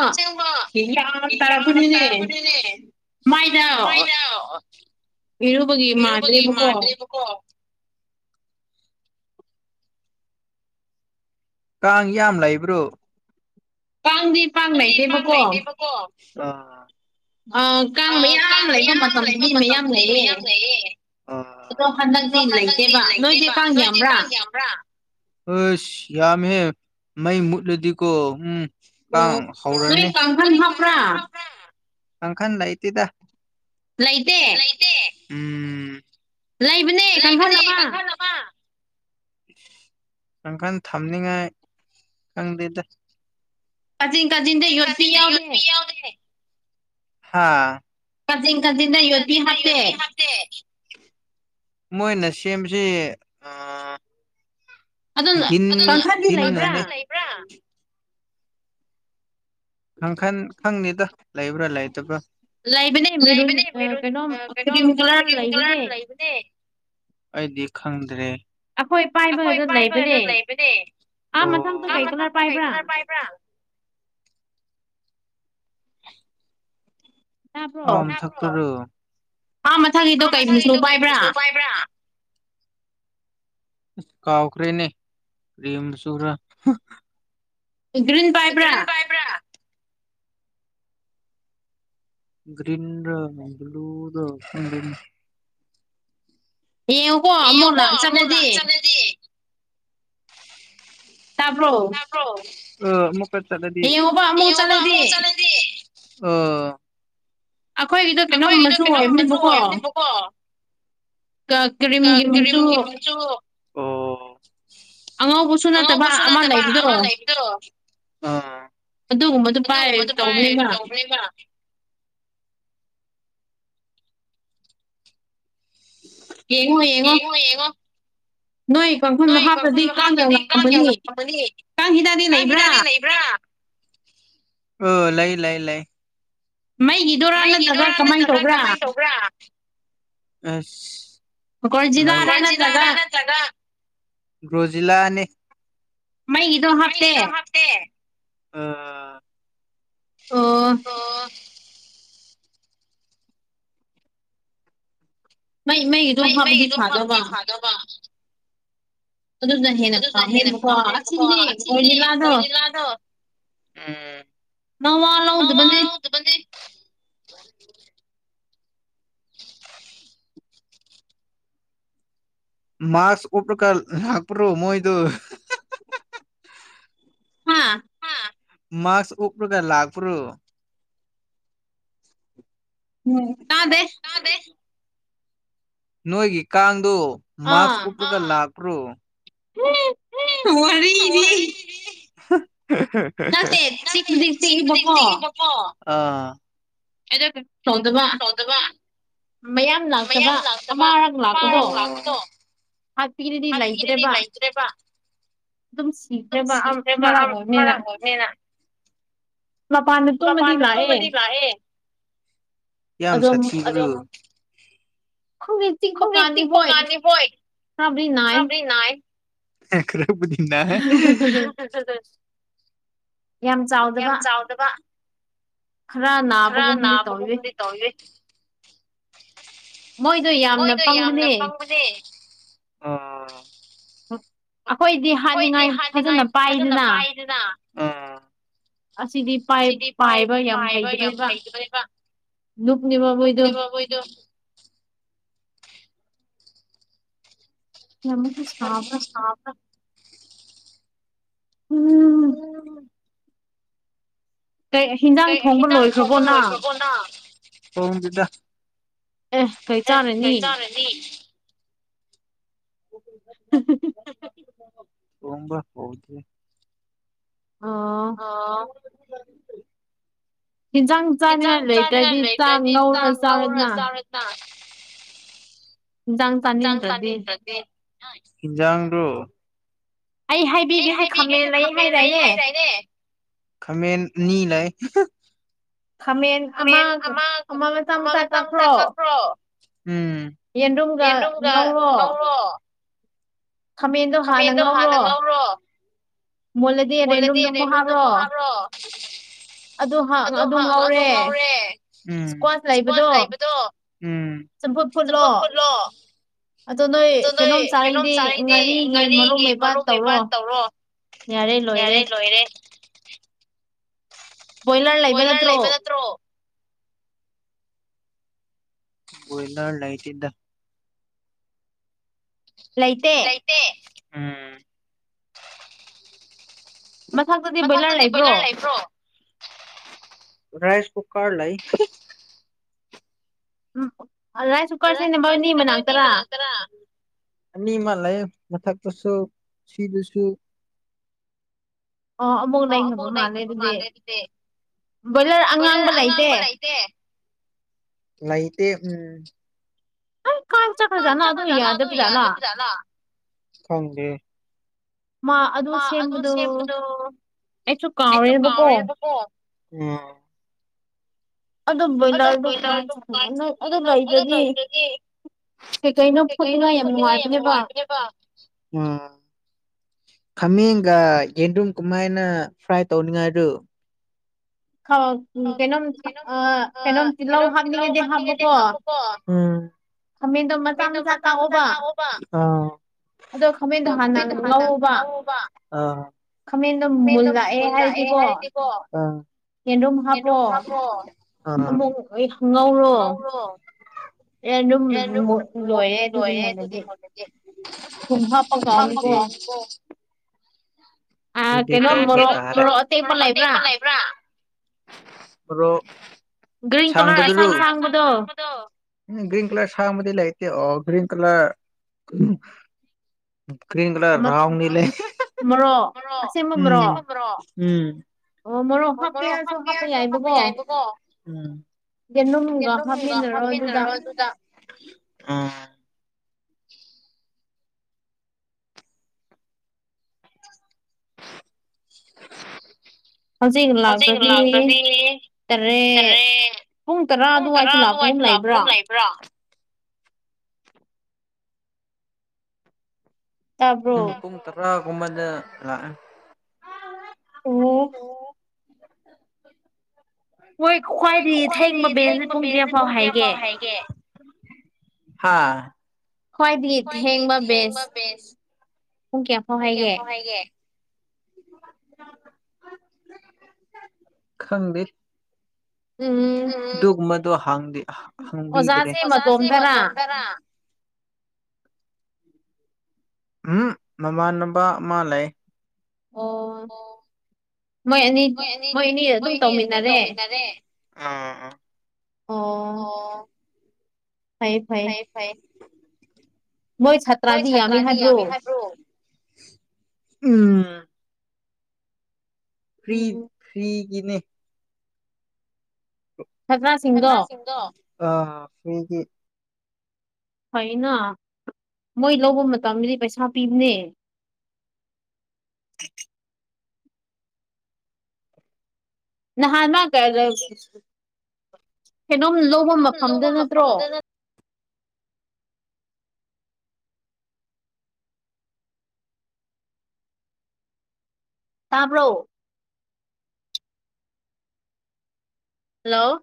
ꯍꯥꯡ ꯇꯥꯔꯛꯄꯅꯤꯅꯦ ꯃꯥꯏꯗ ꯏꯔꯨꯕꯒꯤ ꯃꯥꯕꯔꯃꯨꯀꯣ ꯀꯥꯡ ꯌꯥꯝ ꯂꯩꯕ꯭ꯔꯣ ꯅꯪꯗꯤ ꯄꯥꯟꯅꯩꯅꯦꯦꯕꯀꯣ ꯑ ꯀꯥꯡ ꯃꯌꯥꯝ ꯂꯩꯕ ꯃꯇꯝꯗꯗꯤ ꯃꯌꯥꯝ ꯂꯩꯌꯦ ꯍꯟꯗꯛꯇꯤ ꯂꯩꯇꯦꯕ ꯅꯣꯏꯗꯤꯦ ꯇꯥꯡꯒꯕ꯭ꯔꯥ ꯑ ꯌꯥꯃꯦ ꯃꯥꯏ ꯃꯨꯛꯂꯗꯤꯀꯣ ꯎꯝ ꯎꯝ ꯅꯣꯏ ꯀꯥꯡꯪꯈꯥꯟ ꯍꯥꯄ꯭ꯔꯥ ꯀꯪꯈꯟ ꯂꯩꯇꯗ ꯂꯥꯏꯇ ꯎꯝ ꯂꯩꯕꯅꯦ ꯀꯥꯡꯪꯈꯜꯃ ꯪꯈꯜ ꯊꯝꯅꯤꯡꯉꯥꯏ ꯈꯪꯗꯦꯗ ꯀ ꯌ ꯀ ꯀꯗꯗ ꯌꯤ ꯍꯥꯠꯇꯦ ꯃꯣꯏꯅ ꯁꯦꯝꯕꯁꯤ ꯅ ꯈꯪꯅꯤꯗ ꯂꯩꯕ꯭ꯔꯥ ꯂꯩꯇꯕ꯭ꯔꯥ ꯂꯩꯥꯏꯕꯅꯦ ꯃꯦ ꯀꯩꯅꯣ ꯀ꯭ꯔꯤꯝ ꯀꯂꯔ ꯂꯩꯥꯏꯕꯅꯦ ꯑꯩꯗꯤ ꯈꯪꯗ꯭ꯔꯦ ꯑꯩꯈꯣꯏ ꯄꯥꯏꯕꯗ ꯂꯩꯕꯅꯦ ꯀꯅꯅ ꯀꯩ ꯀꯅꯥ ꯄꯥꯏꯕ꯭ꯔꯥ ꯑꯣ ꯆꯀꯨꯔꯨ ꯑꯥ ꯃꯁꯒꯤꯗ ꯀꯁꯨ ꯎꯐꯥꯏꯕ꯭ꯔ ꯀꯥꯎꯥꯎꯈꯔꯦꯅꯦ ꯀꯔꯤ ꯃ ꯁ ꯒ꯭ꯔꯤꯟ ꯄꯥꯏꯕ꯭ꯔꯥ ꯭ꯔꯤꯟ ꯭ꯂꯨꯗ ꯌꯦꯡꯀꯣꯃꯨ ꯂ ꯆꯅꯗꯤ ꯣ ꯑ ꯆꯠꯂꯗꯤꯉ ꯆꯠꯂ ꯑꯣ ꯑꯩꯈꯣꯏꯒꯤꯗꯣ ꯀꯩꯅꯣꯝ ꯃꯆꯨ ꯑꯣꯏꯕꯅꯦꯕꯀꯣ ꯀ ꯀꯔꯤꯝ ꯝ ꯆ ꯑꯣ ꯑꯉꯧꯕꯁꯨ ꯅꯠꯇꯕ ꯑꯃ ꯂꯩꯕꯗ꯭ꯔꯣ ꯑꯗꯨ ꯃꯗꯨ ꯄꯥꯏ ꯇꯧꯕꯅꯦꯕ ꯀꯉꯣꯌꯦꯉ ꯅꯣꯏ ꯀꯥꯡꯈꯨꯜ ꯃꯈꯥꯞꯇꯗꯤ ꯀꯥꯡ ꯌꯥꯧꯔꯛꯑꯝꯃꯅꯤ ꯀꯥꯡ ꯍꯤꯗꯥꯛꯗꯤ ꯂꯩꯕ꯭ꯔꯥ ꯑꯣ ꯂꯩꯥꯏ ꯂꯩ ꯂꯩ ꯃꯩꯒꯤꯗꯣꯏꯔꯥ ꯅꯠꯇ꯭ꯔꯒ ꯀꯃꯥꯏꯅ ꯇꯧꯕ꯭ꯔꯥ ꯑ ꯃꯖꯤ ꯆꯗꯥꯖꯤꯂꯥꯅꯤ ꯃ ꯏꯗꯣ ꯍꯥꯞꯇꯦꯒ ꯑ ꯍ ꯃꯩ ꯃꯩꯗꯣ ꯍꯥꯞꯄꯗꯤ ꯊꯥꯗꯕ ꯑꯗꯨꯅ ꯍꯦꯟꯅ ꯄꯥꯝꯃꯦꯕꯀꯣ ꯑꯁꯤꯗꯤ ꯀꯣꯏ ꯂꯤꯂꯥꯗꯣ ꯅꯋꯥ ꯂꯗꯕꯗꯤ [unintelligible] ꯃꯥꯥꯛꯁ ꯎꯀꯥ ꯂꯥꯛꯄ꯭ꯔꯣ ꯃꯣꯏꯗꯨ ꯃꯥꯁ ꯎꯔꯨ ꯀ ꯂꯥꯛꯥꯛ꯭ꯔꯨ ꯎꯝ ꯇꯗꯦ ꯅꯣꯏꯒꯤ ꯀꯥꯡꯗꯨ ꯃꯥꯛꯁ ꯎꯞꯄꯒ ꯂꯥꯛꯄ꯭ꯔꯣ ꯋꯥꯔꯤꯔꯤ ꯅꯪ ꯆꯤꯛꯄꯗꯤ ꯆꯤꯛꯏ ꯕꯀꫭ ꯑꯦꯗ ꯆꯧꯗꯕ ꯃꯌꯥꯝ ꯂꯥꯛꯇꯕ ꯑꯃ ꯑꯔꯛ ꯂꯥꯛꯄꯗꯣ ꯍꯥꯠꯄꯤꯔꯤꯗꯤ ꯂꯩꯇ꯭ꯔꯦꯕ ꯑꯗꯨꯝ ꯁꯤꯈ꯭ꯔꯕ ꯃꯔꯥꯡ ꯑꯣꯏꯅꯦꯅ ꯃꯄꯥꯟꯗ ꯇꯨꯝꯃꯗꯤ ꯂꯥꯛꯑꯦ ꯌꯥꯝ ꯁꯥꯊꯤꯒꯣ ꯈꯈ ꯆꯤꯛꯄ ꯀꯥꯟꯅꯤ ꯍꯣꯏ ꯈꯕꯗꯤ ꯅꯥꯏ ꯑꯦ ꯈꯔꯕꯨꯅꯤꯅ ꯌꯥꯝ ꯆꯥꯎꯗꯕ ꯍ ꯅꯥꯄꯕꯨꯗꯤ ꯇꯧ ꯃꯣꯏꯗꯣ ꯌꯥꯝꯅ ꯐꯪꯕꯅꯦ ꯑꯣ ꯑꯩꯈꯣꯏꯗꯤ ꯍꯥꯅꯤꯡꯉꯥꯏ ꯐꯖꯅ ꯄꯥꯏꯗꯅ ꯑꯁꯤꯗꯤ ꯄꯥꯏꯕ ꯌꯥꯝ ꯍꯩꯇꯕꯅꯦꯕ ꯂ ꯋꯥꯕꯨꯣꯏꯗ ꯀ ꯑꯃꯤꯁꯤ ꯁꯅꯥꯕ꯭ꯔ ꯎꯝ ꯎꯝ ꯀ ꯍꯤꯟꯖꯥꯡ ꯊꯣꯡꯕ ꯂꯣꯏꯕ꯭ꯔꯒꯣꯅꯗ ꯑꯦ ꯀꯩꯇꯥꯔꯦꯅꯤ ꯎꯝ [inaudible] ꯇꯝꯕ ꯍꯗꯔꯤ ꯑꯥ ꯍꯤꯟꯖꯥꯡ ꯆꯥꯅꯤꯡꯉꯥꯏ ꯂꯩꯇ꯭ꯔꯗꯤ ꯆꯥꯛ ꯉꯧꯔ ꯆꯥꯎꯔꯅ ꯖꯗꯨ ꯑꯩ ꯍꯥꯏꯕꯤꯒꯦꯁꯦ ꯈꯥꯃꯦꯟ ꯂꯩ ꯍꯥꯏꯖꯏꯅꯦ ꯈꯥꯃꯦꯟ ꯑꯅꯤ ꯂꯩ ꯈꯥꯃꯦꯟ ꯑꯃ ꯑꯃꯥꯡ ꯃꯆꯥ ꯃꯆꯥ ꯀꯛꯈ꯭ꯔꯣ ꯌꯦꯟꯗꯨꯝꯒ ꯉꯧꯔꯣ ꯈꯥꯃꯦꯟꯗꯣ ꯍꯥꯟꯅ ꯉꯧꯔꯣ ꯃꯣꯜꯂꯗꯤ ꯔꯦꯟ ꯔꯣꯝꯗ ꯄ ꯍꯥꯕ꯭ꯔꯣ ꯑꯗꯨ ꯍ ꯑꯗꯨꯣ ꯉꯧꯔꯦ ꯎꯝ ꯏꯁꯀ꯭ꯋꯥꯁ ꯂꯩꯕꯗꯣ ꯎꯝ ꯆꯝꯐ ꯐꯨꯠꯂꯣ ꯑꯗꯣ ꯅꯣꯏ ꯀꯩꯅꯣꯝ ꯆꯥꯔꯤꯗꯤ ꯉꯥꯔꯤꯒꯤ ꯃꯔꯨꯞ ꯃꯩꯄꯥꯟ ꯇꯧꯔꯣ ꯌꯥꯔꯦ ꯂꯣꯏꯔꯦ ꯕꯣꯏꯂꯔ ꯂꯩꯕ ꯅꯠꯇ꯭ꯔꯣ ꯏꯅ ꯂꯩꯥꯏꯇꯗ ꯂꯥꯏꯇ ꯎꯝ ꯃꯊꯛꯇꯗꯤ ꯕꯣꯏꯂꯔ ꯂꯩꯕ꯭ꯔꯣ ꯔꯥꯏꯁ ꯀꯨꯀꯔ ꯂꯩ ꯎꯝ ꯍꯣ ꯂꯥꯛꯇꯔ ꯃꯊꯛꯇ꯭ꯔꯁꯨ ꯁꯤꯗꯨꯏꯁꯨ ꯍ ꯃꯧ ꯂꯏ ꯈꯕꯔ ꯃꯥꯅꯦꯔꯤꯗꯦ ꯏꯂꯔ ꯑꯉꯥꯡꯕ ꯂꯩꯇꯦ ꯂꯩꯇ ꯎꯝ ꯀꯥꯟ ꯆꯖ ꯑꯗꯨ ꯑꯗꯨ ꯆꯖ ꯊꯪꯗ ꯃꯥ ꯑꯗꯨ ꯁꯦꯝꯕꯗꯣ ꯑꯩꯁꯨ ꯀꯥꯎꯔꯦꯕꯀꯣ ꯎꯝ ꯑꯗꯣ ꯑꯗꯨ ꯂꯗꯗꯤ ꯀꯩꯀꯩꯅꯣ ꯐꯣꯠꯂꯤꯉꯥꯏ ꯌꯥꯝ ꯅꯨꯡꯉꯥꯏꯔꯕꯅꯦꯕ ꯈꯥꯃꯦꯡꯒ ꯌꯦꯟꯗꯨꯝ ꯀꯃꯥꯏꯅ ꯐ꯭ꯔꯥꯏ ꯇꯧꯅꯤꯉꯥꯏꯗꯨ ꯀꯩꯅꯣꯝ ꯑ ꯀꯩꯅꯣꯝ ꯇꯤꯜꯍꯧ ꯍꯥꯞꯅꯤꯡꯉꯗꯤ ꯍꯥꯞꯄꯀꯣ ꯗ ꯃꯁꯥ ꯃꯁꯥ ꯇꯕ ꯈꯨ ꯊꯥꯟꯎꯕ ꯃꯃꯤꯗ ꯃꯟꯗ ꯑꯦ ꯍꯥꯏꯇꯕꯣ ꯀꯗꯣꯝ ꯍꯥꯞꯄꯣ ꯉꯧꯔꯣ ꯑꯦ ꯑꯗꯨꯝ ꯂꯣꯏꯔꯦ ꯑꯗꯨꯗꯤ ꯃꯣꯂꯦ ꯑꯦ [unintelligible] [inaudible] ꯑꯇꯩ ꯄꯜ ꯂꯩꯕ꯭ꯔꯥ ꯑꯗꯨ꯭ꯔꯣ ꯁꯥꯡ ꯃꯗꯨ ꯔꯨ ꯭ꯔꯤꯟ ꯀꯂꯔ ꯁꯥꯡ ꯃꯗꯤ ꯂꯩꯦ ꯀꯔꯤꯟ ꯀꯂꯔ ꯀ꯭ꯔꯤꯟ ꯀꯂꯔ ꯔꯥꯎ ꯂꯩꯦ ꯭ꯔꯣ꯭ꯔꯣ ꯎꯝ ꯑꯣ ꯃ ꯍꯥꯄꯦꯔꯁꯨ ꯍꯥꯐꯦ ꯍꯥꯏꯕꯕꯣ ꯀꯒ ꯍꯥꯞꯃꯤꯟꯅꯔꯣ ꯑꯗꯨꯗ [unintelligible] [inaudible] ꯍꯧꯖꯤꯛ ꯂꯥꯛꯇꯗꯤ ꯇꯔꯦꯠ ꯄꯨꯡ ꯇꯔꯥ ꯑꯗꯨꯋꯥꯏꯗ ꯂꯥꯛꯄꯒꯨꯝ ꯂꯩꯕ꯭ꯔꯥ ꯎꯝ ꯄꯨꯝ ꯇꯔꯥ ꯀꯨꯝꯃꯥꯏꯗ ꯂꯥꯛꯑꯦ ꯑꯣ [inaudible] ꯍꯣꯏ ꯈ꯭ꯋꯥꯏꯗꯒꯤ ꯊꯦꯡ ꯃꯕꯦꯟꯁꯦ ꯄꯨꯡꯕꯤꯌꯥꯐꯥꯎ ꯍꯥꯏꯒꯦ ꯍꯥꯥ [inaudible] ꯍꯣꯏꯗꯤ ꯊꯦꯡꯕ ꯕꯦꯁ ꯎ ꯀꯦ ꯍ ꯍꯥꯏꯒꯦ ꯈꯪꯗꯦ [inaudible] ꯎꯝ [inaudible] ꯍꯪꯕꯤꯗ꯭ꯔꯦꯗ ꯎꯝ ꯃꯃꯥꯟꯅꯕ ꯃꯥ ꯂꯩ ꯃꯣꯏ ꯑꯅꯤ ꯃꯣꯏ ꯑꯅꯤ ꯑꯗꯨꯝ ꯇꯧꯃꯤꯟꯅꯔꯦ ꯑꯣ ꯐꯌꯦꯦ ꯐꯌꯦꯦ ꯃꯣꯏ ꯁꯥꯇ꯭ꯔꯥꯗꯤ ꯌꯥꯝꯃꯤ ꯍꯥꯏꯕ꯭ꯔꯣ ꯎꯝ ꯐꯔꯤ ꯐꯔꯤꯒꯤꯅꯦ ꯣ ꯑꯒꯤ [unintelligible] [inaudible] ꯐꯩꯅ ꯃꯣꯏ ꯂꯧꯕ ꯃꯇꯝꯗꯗꯤ ꯄꯩꯁꯥ ꯄꯤꯕꯅꯦ ꯊ [unintelligible] [inaudible] ꯅꯍꯥꯟꯅꯥ ꯀꯗ ꯀꯩꯅꯣꯝ ꯂꯧꯕ ꯃꯐꯝꯗ ꯅꯠꯇ꯭ꯔꯣ ꯇꯥꯕ꯭ꯔꯣ ꯍꯜꯂꯣ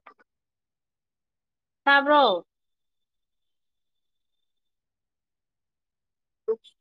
ꯇꯥꯕ꯭ꯔꯣ ꯑꯣꯦ [unintelligible] [inaudible]